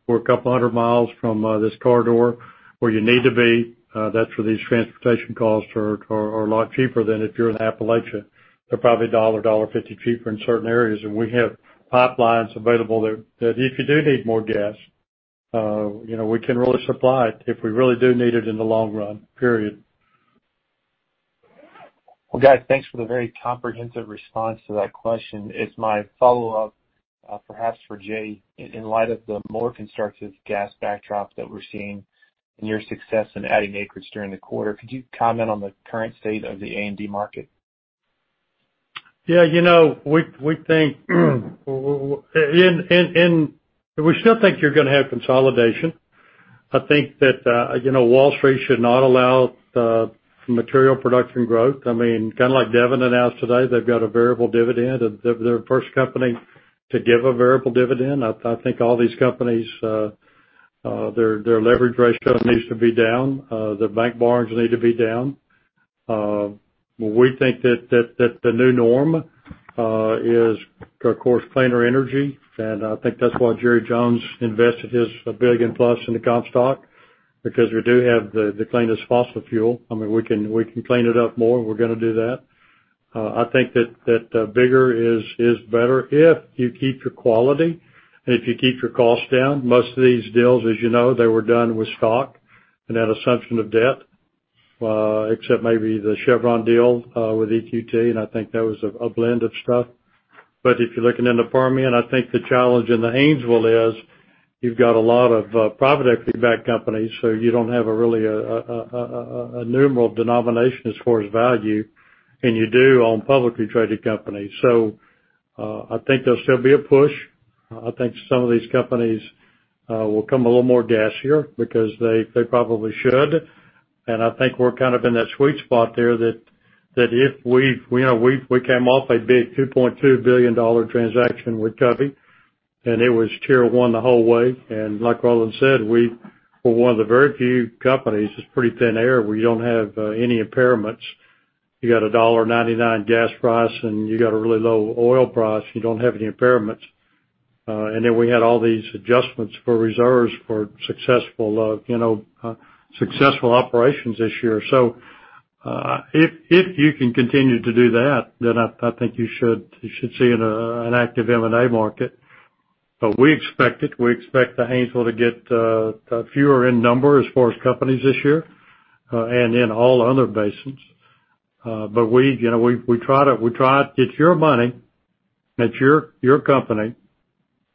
We're a couple hundred miles from this corridor where you need to be. That's where these transportation costs are a lot cheaper than if you're in Appalachia. They're probably $1, $1.50 cheaper in certain areas. We have pipelines available that if you do need more gas, we can really supply it if we really do need it in the long run, period. Well, guys, thanks for the very comprehensive response to that question. As my follow-up, perhaps for Jay, in light of the more constructive gas backdrop that we're seeing and your success in adding acreage during the quarter, could you comment on the current state of the A&D market? Yeah. We still think you're going to have consolidation. I think that Wall Street should not allow material production growth. Kind of like Devon announced today, they've got a variable dividend, and they're the first company to give a variable dividend. I think all these companies, their leverage ratio needs to be down. Their bank borrowings need to be down. We think that the new norm is, of course, cleaner energy, and I think that's why Jerry Jones invested his billion-plus into Comstock, because we do have the cleanest fossil fuel. We can clean it up more. We're going to do that. I think that bigger is better if you keep your quality and if you keep your costs down. Most of these deals, as you know, they were done with stock and at assumption of debt, except maybe the Chevron deal with EQT, and I think that was a blend of stuff. If you're looking in the Permian, I think the challenge in the Haynesville is you've got a lot of private equity-backed companies, so you don't have really a numeral denomination as far as value, and you do on publicly traded companies. I think there'll still be a push. I think some of these companies will come a little more gas here because they probably should. I think we're kind of in that sweet spot there that we came off a big $2.2 billion transaction with Covey, and it was Tier 1 the whole way. Like Roland said, we're one of the very few companies, it's pretty thin air, where you don't have any impairments. You got $1.99 gas price, and you got a really low oil price, you don't have any impairments. We had all these adjustments for reserves for successful operations this year. If you can continue to do that, then I think you should see an active M&A market. We expect it. We expect the Haynesville to get fewer in number as far as companies this year, and in all other basins. It's your money, it's your company,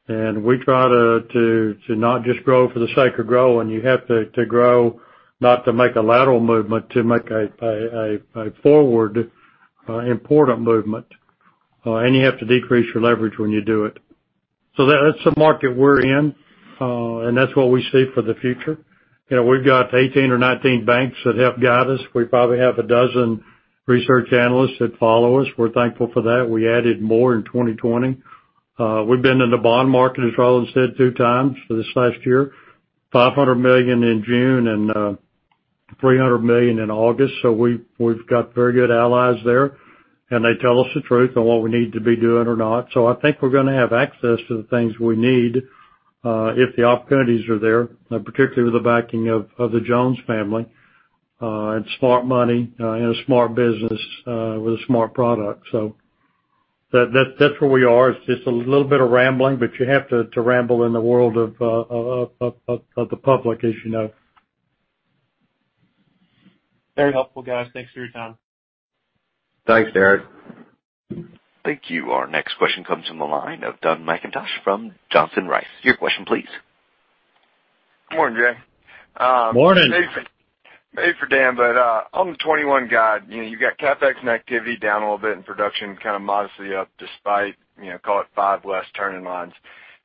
and we try to not just grow for the sake of growing. You have to grow not to make a lateral movement, to make a forward, important movement. You have to decrease your leverage when you do it. That's the market we're in, and that's what we see for the future. We've got 18 or 19 banks that help guide us. We probably have a dozen research analysts that follow us. We're thankful for that. We added more in 2020. We've been in the bond market, as Roland said, two times for this last year, $500 million in June and $300 million in August. We've got very good allies there, and they tell us the truth on what we need to be doing or not. I think we're going to have access to the things we need if the opportunities are there, particularly with the backing of the Jones family. It's smart money in a smart business with a smart product. That's where we are. It's just a little bit of rambling, but you have to ramble in the world of the public, as you know. Very helpful, guys. Thanks for your time. Thanks, Derrick. Thank you. Our next question comes from the line of Dun McIntosh from Johnson Rice. Your question please. Good morning, Jay. Morning. Maybe for Dan, but on the 2021 guide, you've got CapEx and activity down a little bit and production kind of modestly up despite, call it five less turning lines.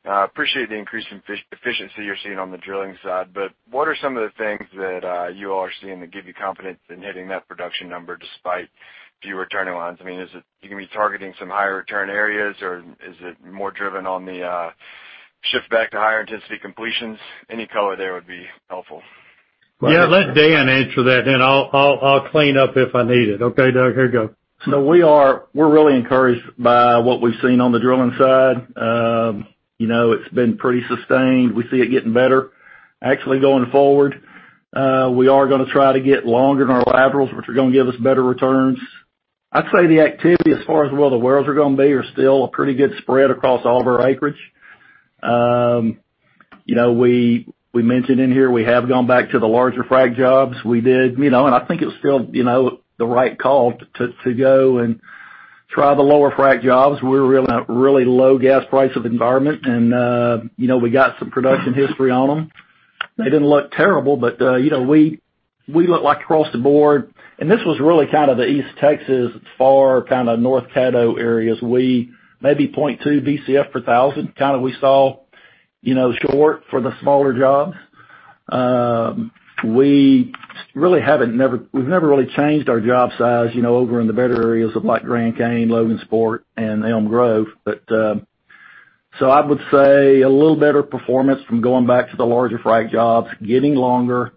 I appreciate the increase in efficiency you're seeing on the drilling side, but what are some of the things that you all are seeing that give you confidence in hitting that production number despite fewer turning lines? I mean, is it you're going to be targeting some higher return areas, or is it more driven on the shift back to higher intensity completions? Any color there would be helpful. Yeah, let Dan answer that then I'll clean up if I need it. Okay, Dun? Here you go. We're really encouraged by what we've seen on the drilling side. It's been pretty sustained. We see it getting better. Actually, going forward, we are going to try to get longer in our laterals, which are going to give us better returns. I'd say the activity, as far as where the wells are going to be, are still a pretty good spread across all of our acreage. We mentioned in here we have gone back to the larger frac jobs. We did, and I think it was still the right call to go and try the lower frac jobs. We were in a really low gas price of environment and we got some production history on them. They didn't look terrible, but we look like across the board, and this was really kind of the East Texas, far kind of North Caddo areas. We may be 0.2 Bcf per thousand, kind of we saw short for the smaller jobs. We've never really changed our job size over in the better areas of like Grand Cane, Logansport, and Elm Grove. I would say a little better performance from going back to the larger frac jobs, getting longer,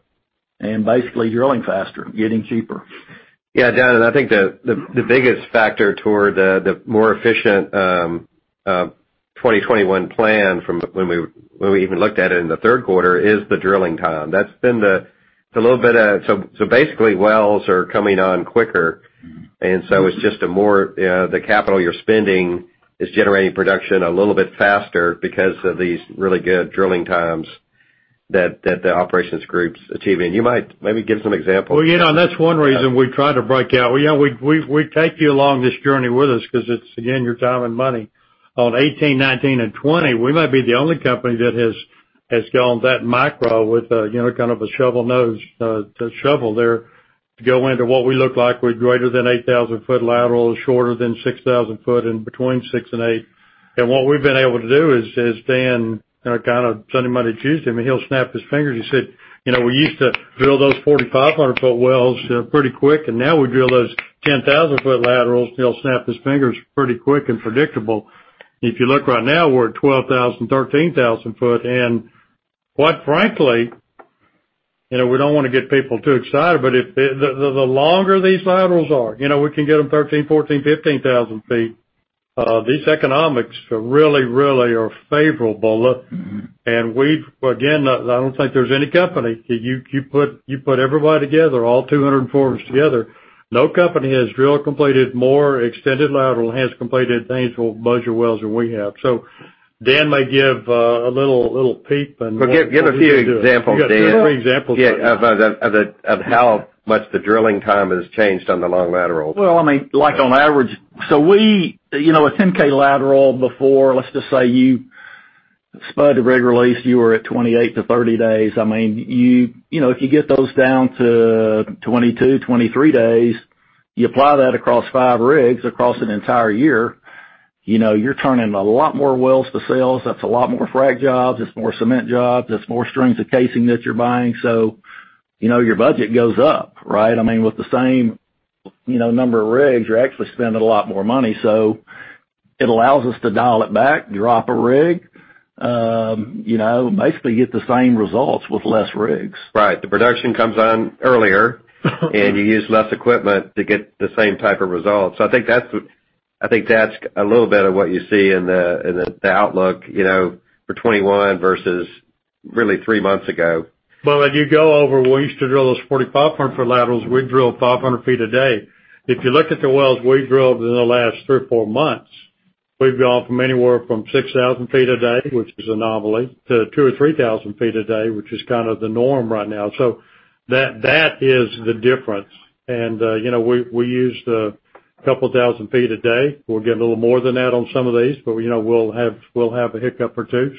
and basically drilling faster, getting cheaper. Yeah, Dan, and I think the biggest factor toward the more efficient 2021 plan from when we even looked at it in the third quarter is the drilling time. Basically, wells are coming on quicker. It's just the capital you're spending is generating production a little bit faster because of these really good drilling times that the operations group's achieving. You might maybe give some examples. That's one reason we try to break out. We take you along this journey with us because it's, again, your time and money. On 2018, 2019, and 2020, we might be the only company that has gone that micro with kind of a shovel nose, the shovel there, to go into what we look like with greater than 8,000 ft laterals, shorter than 6,000 ft, and between six and eight. What we've been able to do is, Dan, kind of Sunday, Monday, Tuesday, I mean, he'll snap his fingers. He said, "We used to drill those 4,500 ft wells pretty quick, and now we drill those 10,000 ft laterals," he'll snap his fingers, "pretty quick and predictable." If you look right now, we're at 12,000, 13,000 ft. Quite frankly, we don't want to get people too excited, but the longer these laterals are, we can get them 13,000, 14,000, 15,000 ft. These economics really, really are favorable. We've, again, I don't think there's any company. You put everybody together, all 200 forums together, no company has drill completed more extended lateral, has completed horizontal [measure] wells than we have. Dan may give a little peep, and- Give a few examples, Dan. You got two or three examples there. Yeah. Of how much the drilling time has changed on the long laterals? Well, I mean, like on average, so a 10K lateral before, let's just say you spud the rig release, you were at 28-30 days. I mean, if you get those down to 22-23 days, you apply that across five rigs across an entire year, you're turning a lot more wells to sales. That's a lot more frac jobs. It's more cement jobs. It's more strings of casing that you're buying. Your budget goes up, right? I mean, with the same number of rigs, you're actually spending a lot more money. It allows us to dial it back, drop a rig. Basically, get the same results with less rigs. Right. The production comes on earlier- and you use less equipment to get the same type of results. I think that's a little bit of what you see in the outlook for 2021 versus really three months ago. Well, as you go over, we used to drill those 4,500 ft laterals. We'd drill 500 ft a day. If you look at the wells we've drilled in the last three or four months, we've gone from anywhere from 6,000 ft a day, which is a novelty, to 2,000 ft or 3,000 ft a day, which is kind of the norm right now. That is the difference. We used a couple thousand ft a day. We'll get a little more than that on some of these, but we'll have a hiccup or two.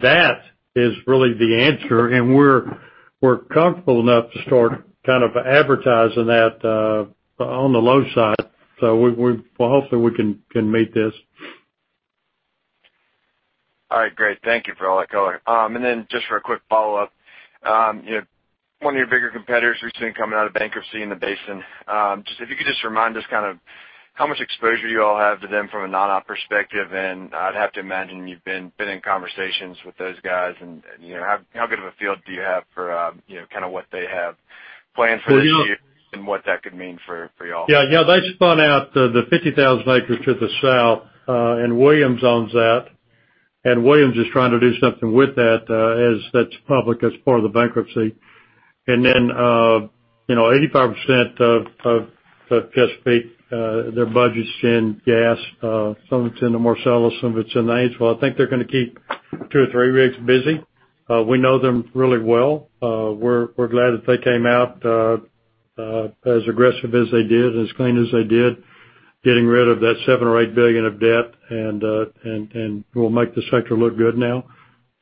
That is really the answer, and we're comfortable enough to start kind of advertising that on the low side. We hopefully can meet this. All right. Great. Thank you for all that color. Just for a quick follow-up. One of your bigger competitors we've seen coming out of bankruptcy in the basin. Just if you could just remind us kind of how much exposure you all have to them from a non-op perspective. I'd have to imagine you've been in conversations with those guys, and how good of a feel do you have for kind of what they have planned for this year- Well, you know- What that could mean for y'all? Yeah. They spun out the 50,000 acres to the south, and Williams owns that. Williams is trying to do something with that, as that's public, as part of the bankruptcy. 85% of Chesapeake, their budget's in gas. Some of it's in the Marcellus, some of it's in the Haynesville. I think they're going to keep two or three rigs busy. We know them really well. We're glad that they came out as aggressive as they did, as clean as they did, getting rid of that $7 or $8 billion of debt, and will make the sector look good now.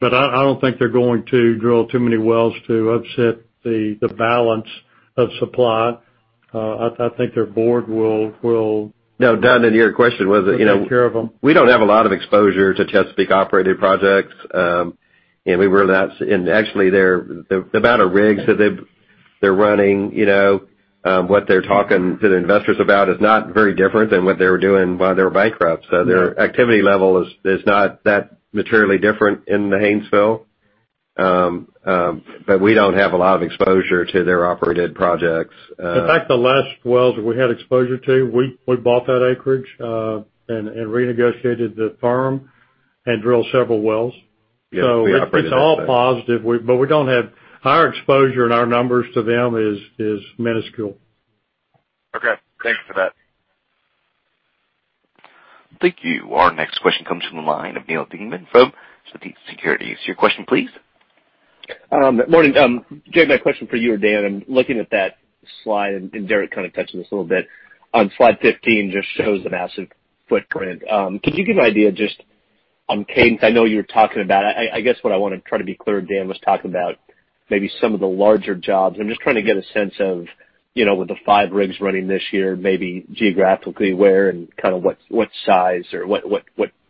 I don't think they're going to drill too many wells to upset the balance of supply. I think their board will- No, Dan, your question was that- They'll take care of them. We don't have a lot of exposure to Chesapeake operated projects. Actually, the amount of rigs that they're running, what they're talking to the investors about is not very different than what they were doing while they were bankrupt. Their activity level is not that materially different in the Haynesville. We don't have a lot of exposure to their operated projects. In fact, the last wells that we had exposure to, we bought that acreage, and renegotiated the farm and drilled several wells. Yes. We operated that. It's all positive. Our exposure and our numbers to them is minuscule. Okay. Thanks for that. Thank you. Our next question comes from the line of Neal Dingmann from Truist Securities. Your question, please. Morning. Jay, my question for you or Dan, I'm looking at that slide, and Derrick kind of touched on this a little bit, on slide 15, just shows the massive footprint. Could you give an idea just on Haynes? I know you were talking about I guess what I want to try to be clear, Dan, was talking about maybe some of the larger jobs. I'm just trying to get a sense of, with the five rigs running this year, maybe geographically, where and what size or what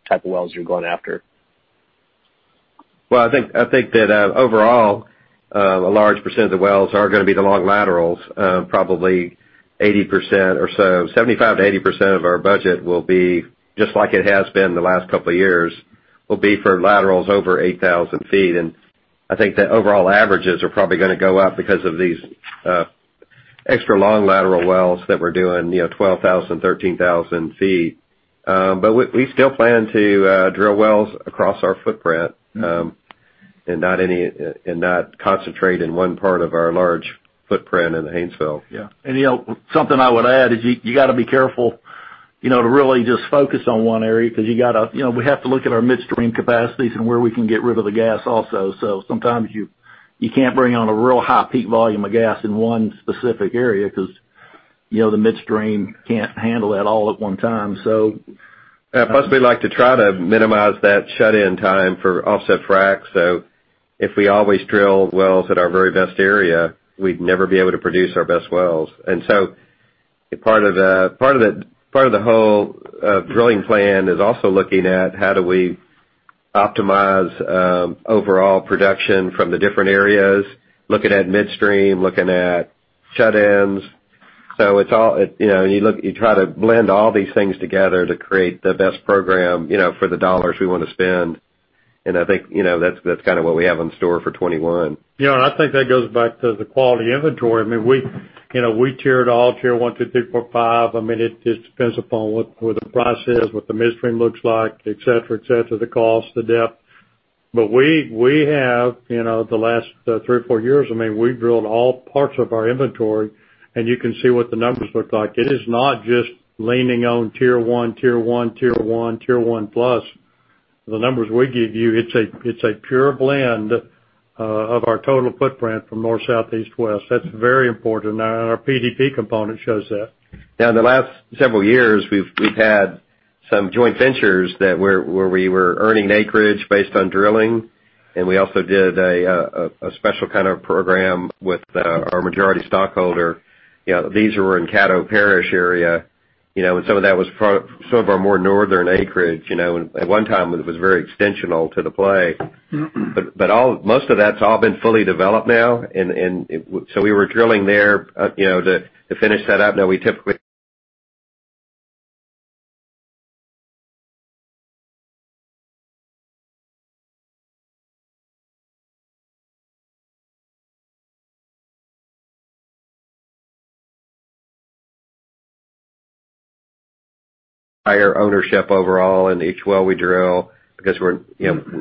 type of wells you're going after. Well, I think that overall, a large percent of the wells are going to be the long laterals, probably 80% or so. 75%-80% of our budget, just like it has been the last couple of years, will be for laterals over 8,000 ft. I think the overall averages are probably going to go up because of these extra-long lateral wells that we're doing, 12,000, 13,000 ft. We still plan to drill wells across our footprint and not concentrate in one part of our large footprint in the Haynesville. Yeah. Neal, something I would add is you got to be careful to really just focus on one area, because we have to look at our midstream capacities and where we can get rid of the gas also. Sometimes you can't bring on a real high peak volume of gas in one specific area because the midstream can't handle that all at one time, so. Plus, we like to try to minimize that shut-in time for offset fracs. If we always drill wells at our very best area, we'd never be able to produce our best wells. Part of the whole drilling plan is also looking at how do we optimize overall production from the different areas, looking at midstream, looking at shut-ins. You try to blend all these things together to create the best program for the dollars we want to spend. I think that's what we have in store for 2021. Yeah, I think that goes back to the quality inventory. We Tier it all, Tier 1, 2, 3, 4, 5. It just depends upon what the price is, what the midstream looks like, et cetera, the cost, the depth. We have, the last three or four years, we've drilled all parts of our inventory, and you can see what the numbers look like. It is not just leaning on Tier 1, Tier 1, Tier 1, Tier 1+. The numbers we give you, it's a pure blend of our total footprint from north, south, east, west. That's very important, and our PDP component shows that. Dan, the last several years, we've had some joint ventures where we were earning acreage based on drilling, and we also did a special kind of program with our majority stockholder. These were in Caddo Parish area, and some of that was some of our more northern acreage, and at one time it was very extensional to the play. Most of that's all been fully developed now, and so we were drilling there to finish that up. Now we typically higher ownership overall in each well we drill because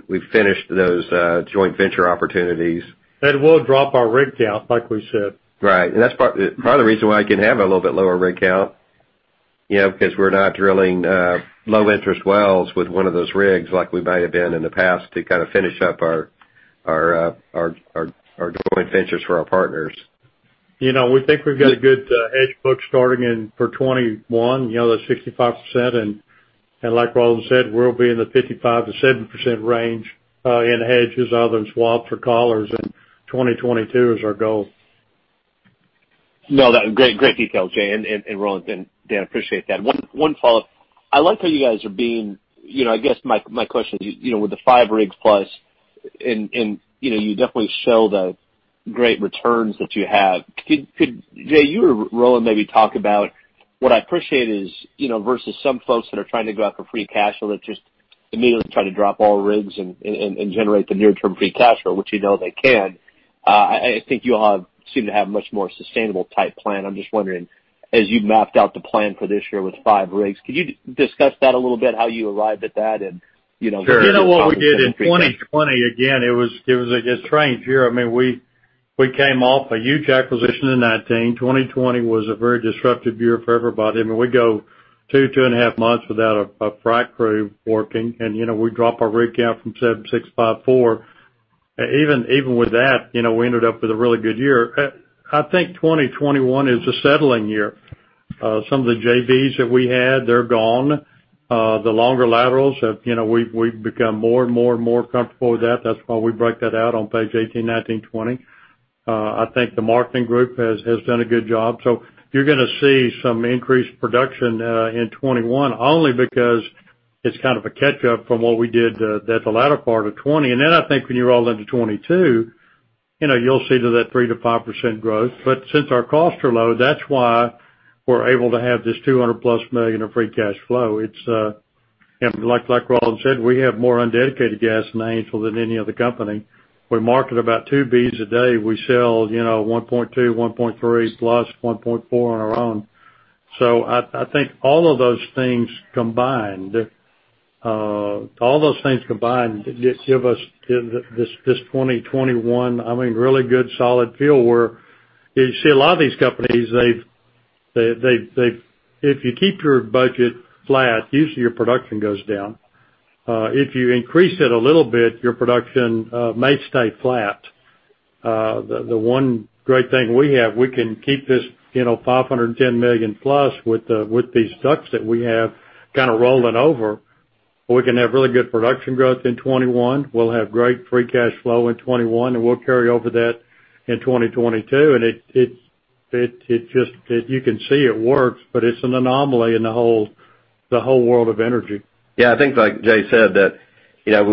we've finished those joint venture opportunities. We'll drop our rig count, like we said. Right. That's part of the reason why I can have a little bit lower rig count, because we're not drilling low interest wells with one of those rigs like we might have been in the past to finish up our joint ventures for our partners. We think we've got a good hedge book starting in for 2021. That's 65%, and like Roland said, we'll be in the 55%-70% range in hedges other than swaps for collars in 2022 is our goal. No, great details, Jay and Roland, Dan, appreciate that. One follow-up. I guess my question is, with the five rigs plus, and you definitely show the great returns that you have. Could Jay, you or Roland maybe talk about what I appreciate is, versus some folks that are trying to go out for free cash flow that just immediately try to drop all rigs and generate the near term free cash flow, which you know they can. I think you all seem to have a much more sustainable type plan. I'm just wondering, as you mapped out the plan for this year with five rigs, could you discuss that a little bit, how you arrived at that and- Sure. You know what we did in 2020, again, it was a strange year. We came off a huge acquisition in 2019. 2020 was a very disruptive year for everybody. We go two and a half months without a frac crew working, and we drop our rig count from seven, six, five, four. Even with that, we ended up with a really good year. I think 2021 is a settling year. Some of the JVs that we had, they're gone. The longer laterals, we've become more and more comfortable with that. That's why we break that out on page 18, 19, 20. I think the marketing group has done a good job. You're going to see some increased production in 2021, only because it's kind of a catch-up from what we did at the latter part of 2020. I think when you roll into 2022, you'll see that 3%-5% growth. Since our costs are low, that's why we're able to have this $200+ million of free cash flow. Like Roland said, we have more undedicated gas and within any other company. We market about two Bcf a day. We sell 1.2, 1.3, +1.4 on our own. I think all of those things combined give us this 2021, really good solid feel where you see a lot of these companies, if you keep your budget flat, usually your production goes down. If you increase it a little bit, your production may stay flat. The one great thing we have, we can keep this $510 million plus with these DUCs that we have rolling over. We can have really good production growth in 2021. We'll have great free cash flow in 2021, and we'll carry over that in 2022. You can see it works, but it's an anomaly in the whole world of energy. Yeah, I think like Jay said that we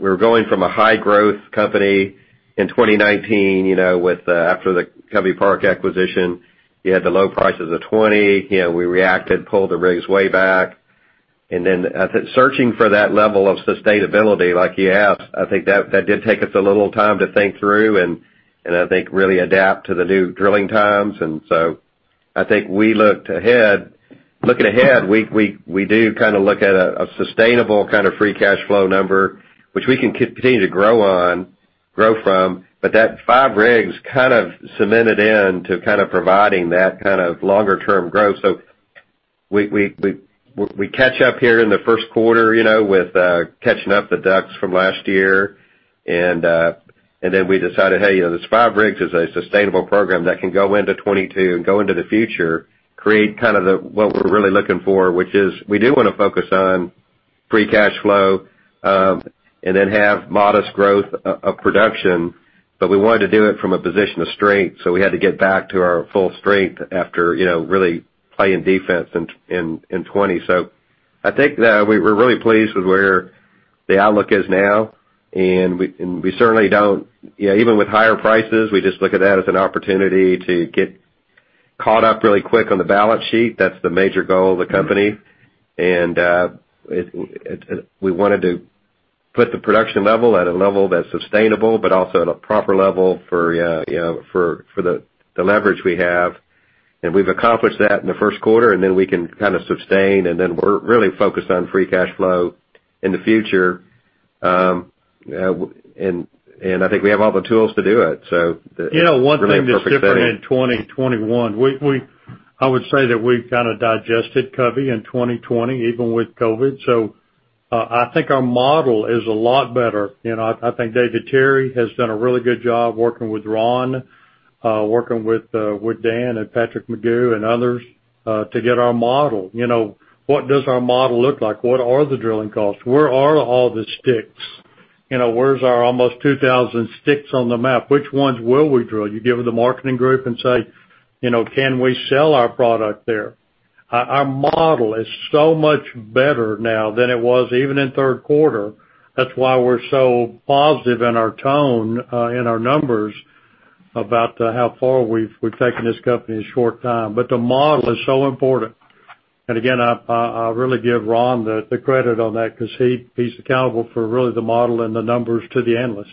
were going from a high growth company in 2019 after the Covey Park acquisition. You had the low prices of 2020. We reacted, pulled the rigs way back. searching for that level of sustainability like you asked, I think that did take us a little time to think through and I think really adapt to the new drilling times. I think looking ahead, we do look at a sustainable free cash flow number, which we can continue to grow from, but that five rigs kind of cemented in to providing that longer term growth. We catch up here in the first quarter with catching up the DUCs from last year, and then we decided, "Hey, this five rigs is a sustainable program that can go into 2022 and go into the future," create what we're really looking for, which is we do want to focus on free cash flow, and then have modest growth of production, but we wanted to do it from a position of strength, so we had to get back to our full strength after really playing defense in 2020. I think that we're really pleased with where the outlook is now, and even with higher prices, we just look at that as an opportunity to get caught up really quick on the balance sheet. That's the major goal of the company. We wanted to put the production level at a level that's sustainable, but also at a proper level for the leverage we have. We've accomplished that in the first quarter, and then we can sustain, and then we're really focused on free cash flow in the future. I think we have all the tools to do it. One thing that's different in 2021, I would say that we've kind of digested Covey in 2020, even with COVID. I think our model is a lot better. I think David Terry has done a really good job working with Ron, working with Dan and Patrick McGough and others, to get our model. What does our model look like? What are the drilling costs? Where are all the sticks? Where's our almost 2,000 sticks on the map? Which ones will we drill? You give the marketing group and say, "Can we sell our product there?" Our model is so much better now than it was even in the third quarter. That's why we're so positive in our tone, in our numbers about how far we've taken this company in a short time. The model is so important. Again, I really give Ron the credit on that because he's accountable for really the model and the numbers to the analyst.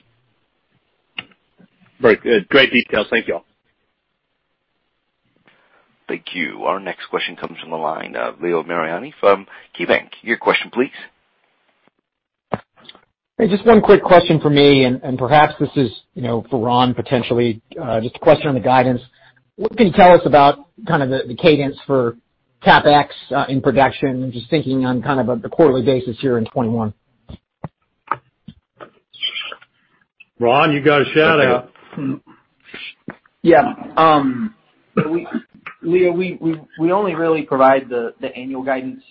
Very good. Great details. Thank you all. Thank you. Our next question comes from the line of Leo Mariani from KeyBanc. Your question, please. Hey, just one quick question from me, and perhaps this is for Ron, potentially. Just a question on the guidance. What can you tell us about the cadence for CapEx in production? I'm just thinking on a quarterly basis here in 2021. Ron, you got a shout-out. Yeah. Leo, we only really provide the annual guidance.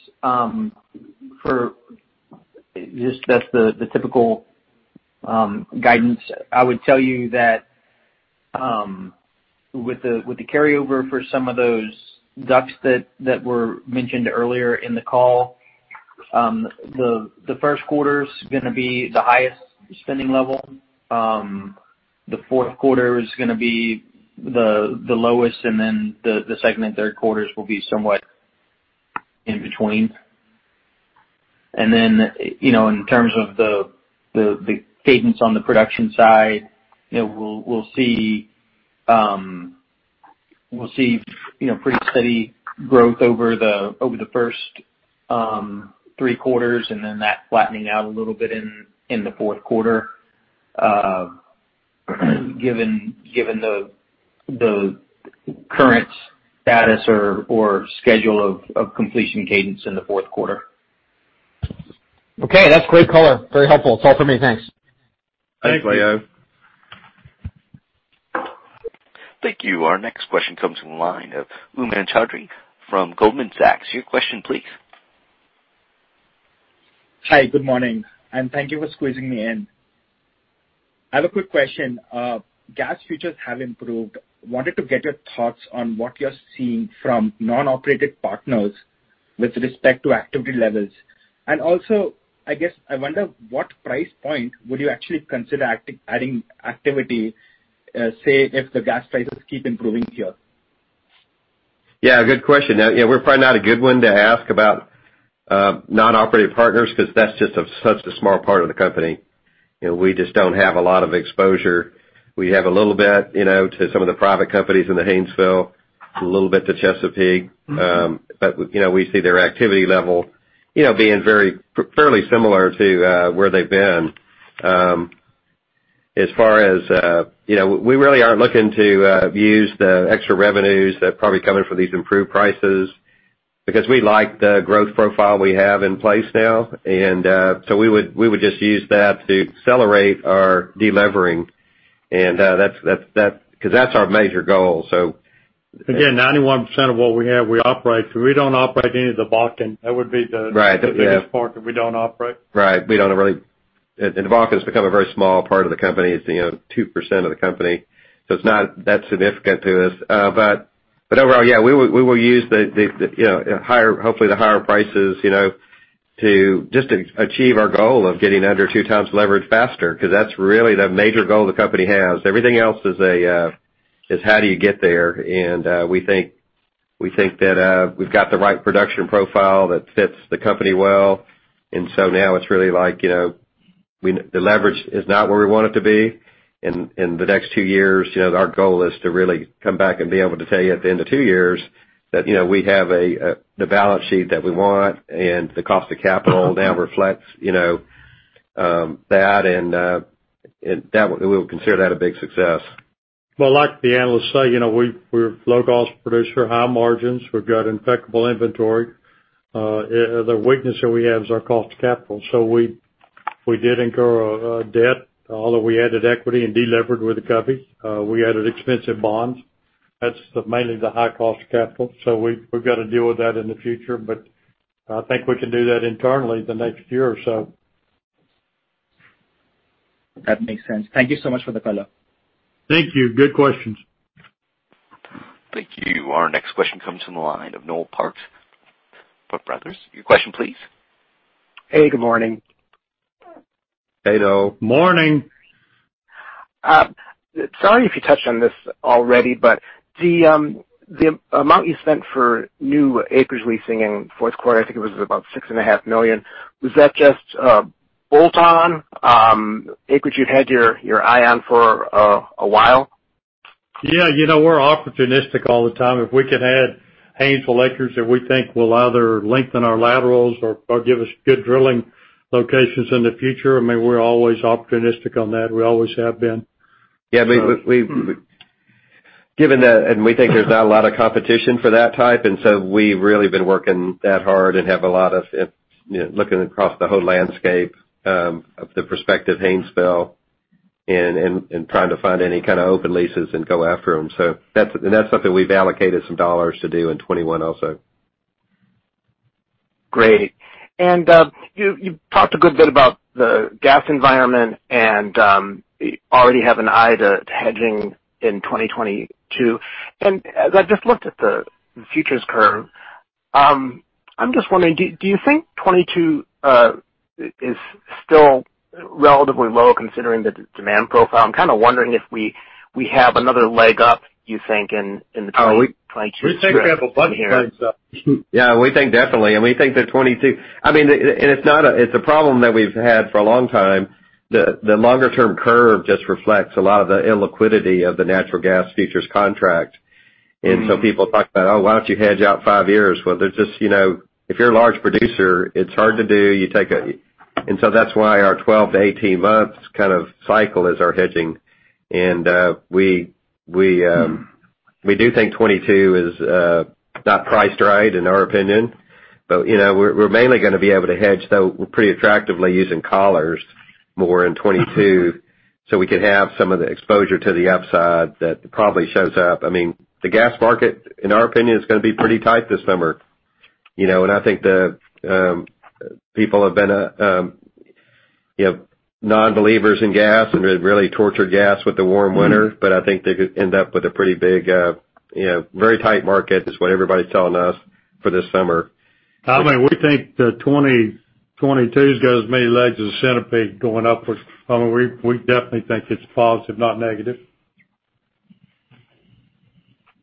That's the typical guidance. I would tell you that with the carryover for some of those DUCs that were mentioned earlier in the call, the first quarter's going to be the highest spending level. The fourth quarter is going to be the lowest, and then the second and third quarters will be somewhat in between. In terms of the cadence on the production side, we'll see pretty steady growth over the first three quarters, and then that flattening out a little bit in the fourth quarter, given the current status or schedule of completion cadence in the fourth quarter. Okay. That's great color. Very helpful. That's all for me. Thanks. Thanks, Leo. Thank you. Our next question comes from the line of Umang Choudhary from Goldman Sachs. Your question, please. Hi, good morning, and thank you for squeezing me in. I have a quick question. Gas futures have improved. Wanted to get your thoughts on what you're seeing from non-operated partners with respect to activity levels. also, I wonder what price point would you actually consider adding activity, say, if the gas prices keep improving here? Yeah, good question. Yeah, we're probably not a good one to ask about non-operative partners because that's just such a small part of the company. We just don't have a lot of exposure. We have a little bit to some of the private companies in the Haynesville, a little bit to Chesapeake. We see their activity level being fairly similar to where they've been. As far as we really aren't looking to use the extra revenues that probably come in from these improved prices because we like the growth profile we have in place now. we would just use that to accelerate our de-levering, because that's our major goal. Again, 91% of what we have, we operate. we don't operate any of the Bakken. That would be the- Right. Yeah. Biggest part that we don't operate. Right. The Bakken has become a very small part of the company. It's 2% of the company, so it's not that significant to us. Overall, yeah, we will use hopefully the higher prices, to just achieve our goal of getting under two times leverage faster, because that's really the major goal the company has. Everything else is how do you get there, and we think that we've got the right production profile that fits the company well. now it's really like the leverage is not where we want it to be. In the next two years, our goal is to really come back and be able to tell you at the end of two years that we have the balance sheet that we want, and the cost of capital now reflects that, and we'll consider that a big success. Well, like the analysts say, we're a low-cost producer, high margins. We've got impeccable inventory. The weakness that we have is our cost of capital. We did incur a debt, although we added equity and delevered with the company. We added expensive bonds. That's mainly the high cost of capital. We've got to deal with that in the future, but I think we can do that internally in the next year or so. That makes sense. Thank you so much for the color. Thank you. Good questions. Thank you. Our next question comes from the line of Noel Parks, Tuohy Brothers. Your question, please. Hey, good morning. Hey, Noel. Morning. Sorry if you touched on this already, but the amount you spent for new acreage leasing in the fourth quarter, I think it was about 6.5 million. Was that just a bolt-on acreage you've had your eye on for a while? Yeah. We're opportunistic all the time. If we can add Haynesville acres that we think will either lengthen our laterals or give us good drilling locations in the future, I mean, we're always opportunistic on that. We always have been. Yeah. Given that, and we think there's not a lot of competition for that type, and so we've really been working that hard and have a lot of looking across the whole landscape of the prospective Haynesville and trying to find any kind of open leases and go after them. that's something we've allocated some dollars to do in 2021 also. Great. You talked a good bit about the gas environment and already have an eye to hedging in 2022. As I just looked at the futures curve, I'm just wondering, do you think 2022 is still relatively low considering the demand profile? I'm kind of wondering if we have another leg up, you think, in the 2022 strip here. We think we have a bunch of legs up. Yeah, we think definitely, and we think that It's a problem that we've had for a long time. The longer-term curve just reflects a lot of the illiquidity of the natural gas futures contract. People talk about, "Oh, why don't you hedge out five years?" Well, if you're a large producer, it's hard to do. that's why our 12-18 months cycle is our hedging. we do think 2022 is not priced right, in our opinion. we're mainly going to be able to hedge, though, pretty attractively using collars more in 2022. We can have some of the exposure to the upside that probably shows up. The gas market, in our opinion, is going to be pretty tight this summer. I think the people have been non-believers in gas and really tortured gas with the warm winter, but I think they could end up with a pretty big, very tight market is what everybody's telling us for this summer. I mean, we think that 2022's got as many legs as a centipede going upwards. We definitely think it's positive, not negative.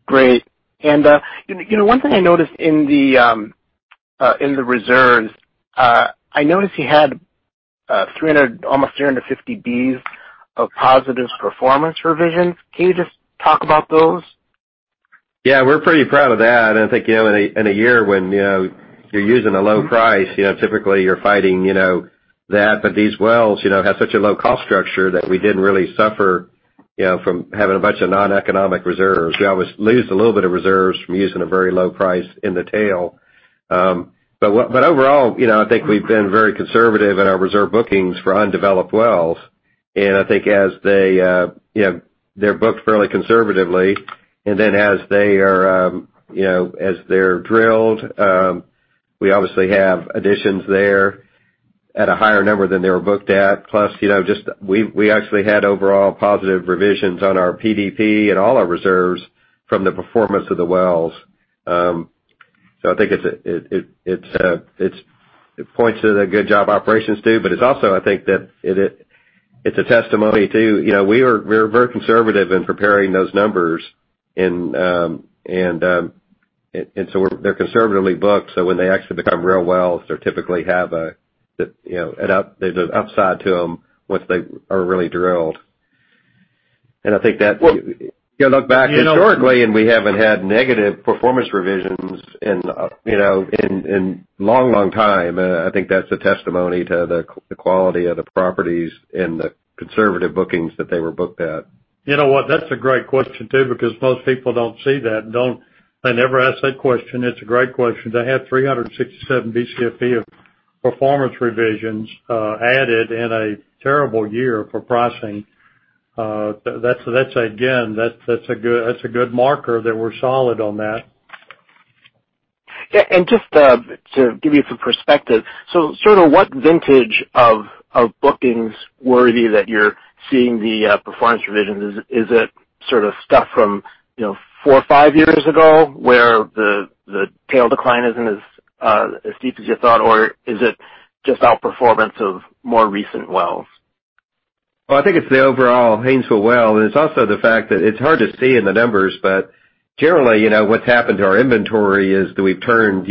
Great. One thing I noticed in the reserves, I noticed you had almost 350 Bs of positive performance revisions. Can you just talk about those? Yeah, we're pretty proud of that. I think, in a year when you're using a low price, typically you're fighting that, but these wells have such a low cost structure that we didn't really suffer from having a bunch of non-economic reserves. We always lose a little bit of reserves from using a very low price in the tail. Overall, I think we've been very conservative in our reserve bookings for undeveloped wells, and I think they're booked fairly conservatively. As they're drilled, we obviously have additions there at a higher number than they were booked at. Plus, we actually had overall positive revisions on our PDP and all our reserves from the performance of the wells. I think it points to the good job operations too, but it's also, I think, that it's a testimony too. We're very conservative in preparing those numbers, and so they're conservatively booked. When they actually become real wells, they typically have an upside to them once they are really drilled. I think that Well- If you look back historically, and we haven't had negative performance revisions in a long time. I think that's a testimony to the quality of the properties and the conservative bookings that they were booked at. You know what? That's a great question, too, because most people don't see that, and they never ask that question. It's a great question. To have 367 Bcfp of performance revisions added in a terrible year for pricing, that's, again, that's a good marker that we're solid on that. Yeah, just to give you some perspective, so sort of what vintage of bookings were you that you're seeing the performance revisions? Is it sort of stuff from four or five years ago where the tail decline isn't as steep as you thought, or is it just outperformance of more recent wells? Well, I think it's the overall Haynesville well, and it's also the fact that it's hard to see in the numbers, but generally, what's happened to our inventory is that we've turned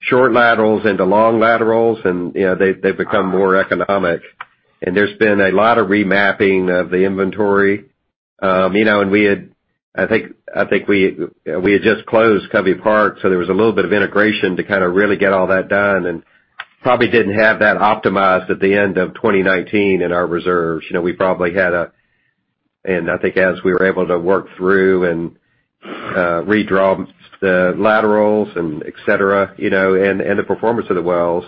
short laterals into long laterals and they've become more economic. There's been a lot of remapping of the inventory. I think we had just closed Covey Park, so there was a little bit of integration to kind of really get all that done, and probably didn't have that optimized at the end of 2019 in our reserves. I think as we were able to work through and redraw the laterals and et cetera, and the performance of the wells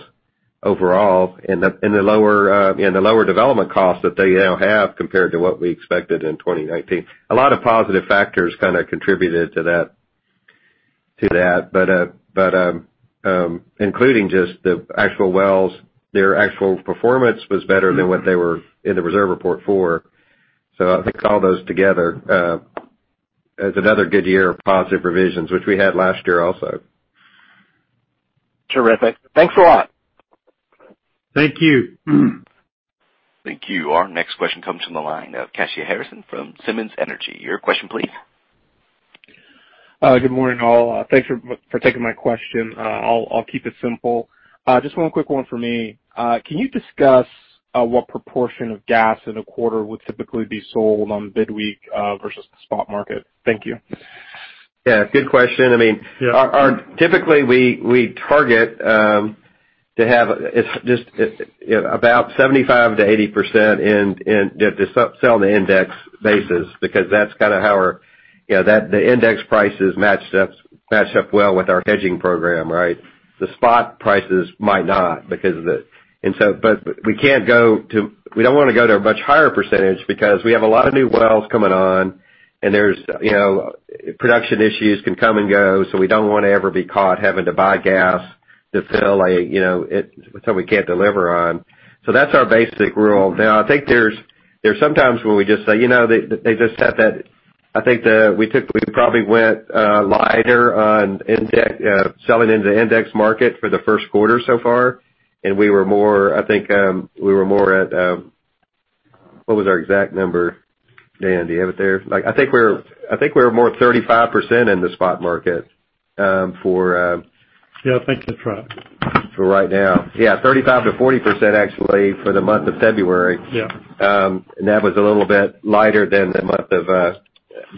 overall, and the lower development costs that they now have compared to what we expected in 2019. A lot of positive factors kind of contributed to that. Including just the actual wells, their actual performance was better than what they were in the reserve report for. I think all those together, it's another good year of positive revisions, which we had last year also. Terrific. Thanks a lot. Thank you. Thank you. Our next question comes from the line of Kashy Harrison from Simmons Energy. Your question please. Good morning, all. Thanks for taking my question. I'll keep it simple. Just one quick one for me. Can you discuss what proportion of gas in a quarter would typically be sold on bid week versus the spot market? Thank you. Yeah. Good question. Yeah. Typically, we target to have just about 75%-80% sell on the index basis, because that's kind of how our. The index prices match up well with our hedging program, right? The spot prices might not because of the. We don't want to go to a much higher percentage because we have a lot of new wells coming on and production issues can come and go, so we don't want to ever be caught having to buy gas to fill something we can't deliver on. That's our basic rule. Now, I think there's some times when we just say, they just set that. I think we probably went lighter on selling into the index market for the first quarter so far, and I think we were more at What was our exact number? Dan, do you have it there? I think we were more at 35% in the spot market for- Yeah, I think that's right For right now. Yeah, 35%-40%, actually, for the month of February. Yeah. That was a little bit lighter than the month of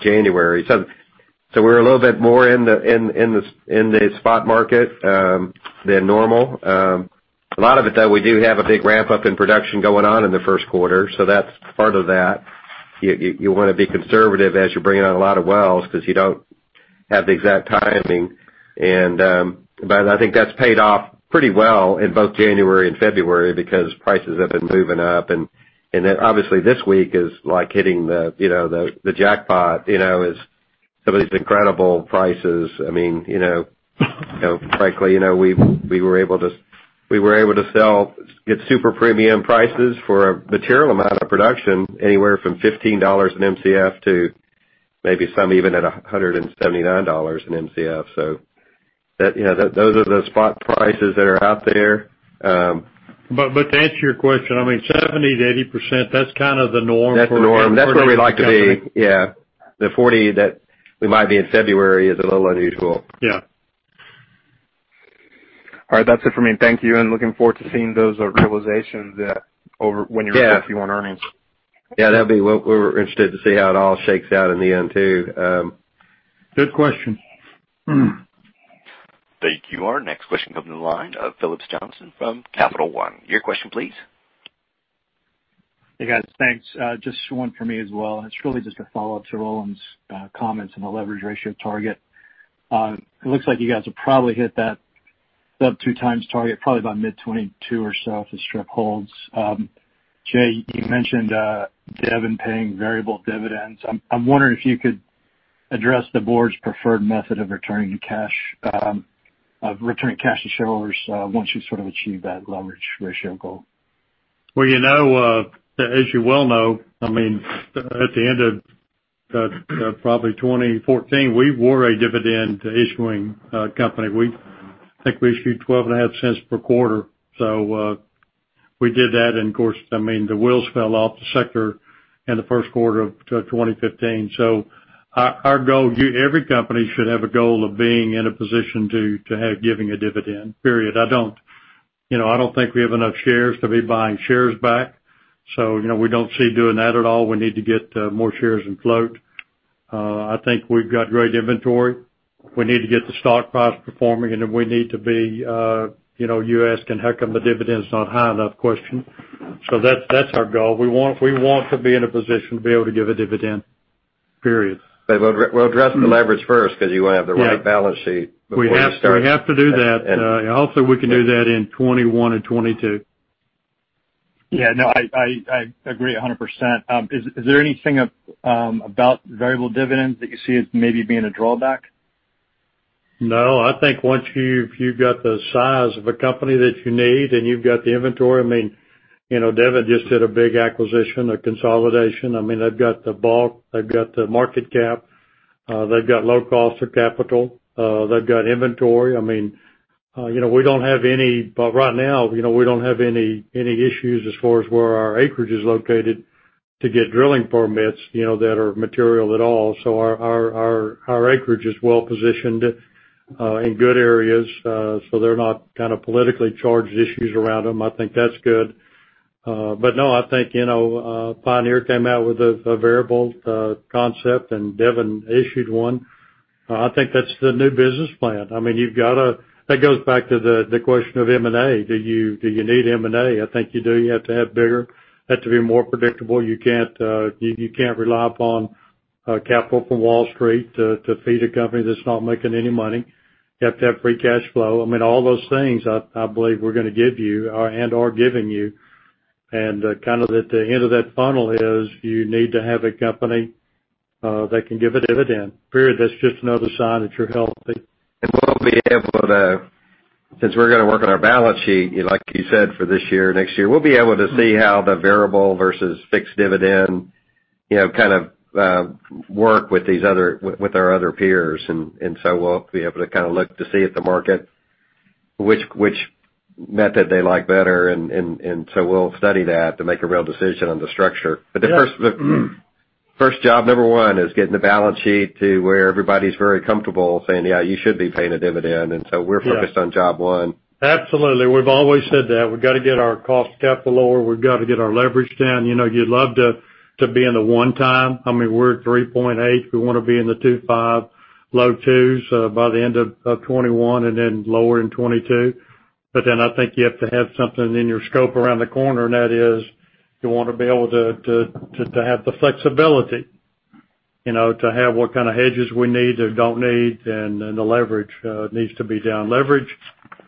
January. We're a little bit more in the spot market than normal. A lot of it, though, we do have a big ramp-up in production going on in the first quarter, so that's part of that. You want to be conservative as you're bringing on a lot of wells because you don't have the exact timing. I think that's paid off pretty well in both January and February because prices have been moving up. Obviously, this week is like hitting the jackpot, some of these incredible prices. Frankly, we were able to sell at super premium prices for a material amount of production, anywhere from $15 an Mcf to maybe some even at $179 an Mcf. Those are the spot prices that are out there. To answer your question, 70%-80%, that's the norm. That's the norm. That's where we like to be, yeah. The 40 that we might be in February is a little unusual. Yeah. All right. That's it for me. Thank you, and looking forward to seeing those realizations when you release Q1 earnings. Yeah. We're interested to see how it all shakes out in the end, too. Good question. Thank you. Our next question comes on the line of Phillips Johnston from Capital One. Your question, please. Hey, guys. Thanks. Just one for me as well. It's really just a follow-up to Roland's comments on the leverage ratio target. It looks like you guys will probably hit that sub-two times target probably by mid 2022 or so if the strip holds. Jay, you mentioned Devon paying variable dividends. I'm wondering if you could address the board's preferred method of returning cash to shareholders once you've achieved that leverage ratio goal. Well, as you well know, at the end of probably 2014, we were a dividend-issuing company. I think we issued $0.125 per quarter. We did that. Of course, the wheels fell off the sector in the first quarter of 2015. Our goal, every company should have a goal of being in a position to have giving a dividend, period. I don't think we have enough shares to be buying shares back. We don't see doing that at all. We need to get more shares in float. I think we've got great inventory. We need to get the stock price performing, and then we need to be You asking how come the dividend's not high enough question. That's our goal. We want to be in a position to be able to give a dividend, period. We'll address the leverage first because you want to have the right balance sheet before you start- We have to do that. Hopefully, we can do that in 2021 and 2022. Yeah. No, I agree 100%. Is there anything about variable dividends that you see as maybe being a drawback? No, I think once you've got the size of a company that you need and you've got the inventory, Devon just did a big acquisition, a consolidation. They've got the bulk, they've got the market cap, they've got low cost of capital, they've got inventory. Right now, we don't have any issues as far as where our acreage is located to get drilling permits that are material at all. Our acreage is well-positioned in good areas, so there are not politically charged issues around them. I think that's good. No, I think Pioneer came out with a variable concept, and Devon issued one. I think that's the new business plan. That goes back to the question of M&A. Do you need M&A? I think you do. You have to have bigger. You have to be more predictable. You can't rely upon capital from Wall Street to feed a company that's not making any money. You have to have free cash flow. All those things, I believe we're going to give you and are giving you. At the end of that funnel is you need to have a company that can give a dividend, period. That's just another sign that you're healthy. We'll be able to, since we're going to work on our balance sheet, like you said, for this year, next year, we'll be able to see how the variable versus fixed dividend work with our other peers. We'll be able to look to see at the market which method they like better, and so we'll study that to make a real decision on the structure. Yeah. The first job, number one, is getting the balance sheet to where everybody's very comfortable saying, "Yeah, you should be paying a dividend." we're focused on job one. Absolutely. We've always said that. We've got to get our cost of capital lower. We've got to get our leverage down. You'd love to be in the one time. We're at 3.8. We want to be in the 2.5, low twos by the end of 2021, and then lower in 2022. I think you have to have something in your scope around the corner, and that is you want to be able to have the flexibility, to have what kind of hedges we need or don't need, and the leverage needs to be down. Leverage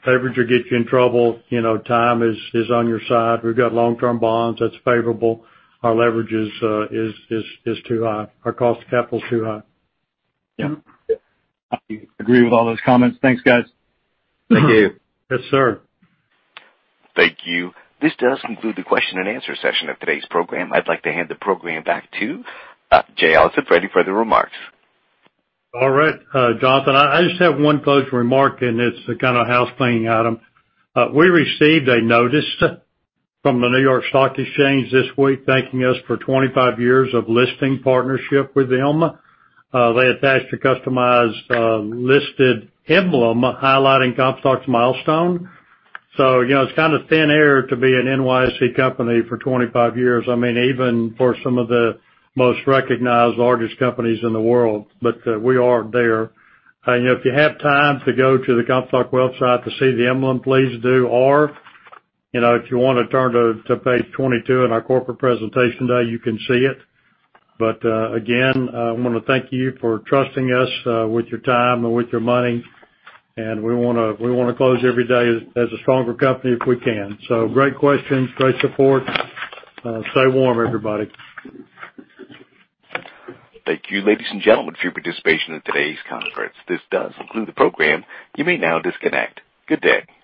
will get you in trouble. Time is on your side. We've got long-term bonds. That's favorable. Our leverage is too high. Our cost of capital is too high. Yeah. I agree with all those comments. Thanks, guys. Thank you. Yes, sir. Thank you. This does conclude the question-and-answer session of today's program. I'd like to hand the program back to Jay Allison for any further remarks. All right, Jonathan. I just have one closing remark, and it's a kind of housecleaning item. We received a notice from the New York Stock Exchange this week thanking us for 25 years of listing partnership with them. They attached a customized listed emblem highlighting Comstock's milestone. It's kind of thin air to be an NYSE company for 25 years, even for some of the most recognized largest companies in the world. We are there. If you have time to go to the Comstock website to see the emblem, please do. If you want to turn to page 22 in our corporate presentation today, you can see it. Again, I want to thank you for trusting us with your time and with your money, and we want to close every day as a stronger company if we can. Great questions, great support. Stay warm, everybody. Thank you, ladies and gentlemen, for your participation in today's conference. This does conclude the program. You may now disconnect. Good day.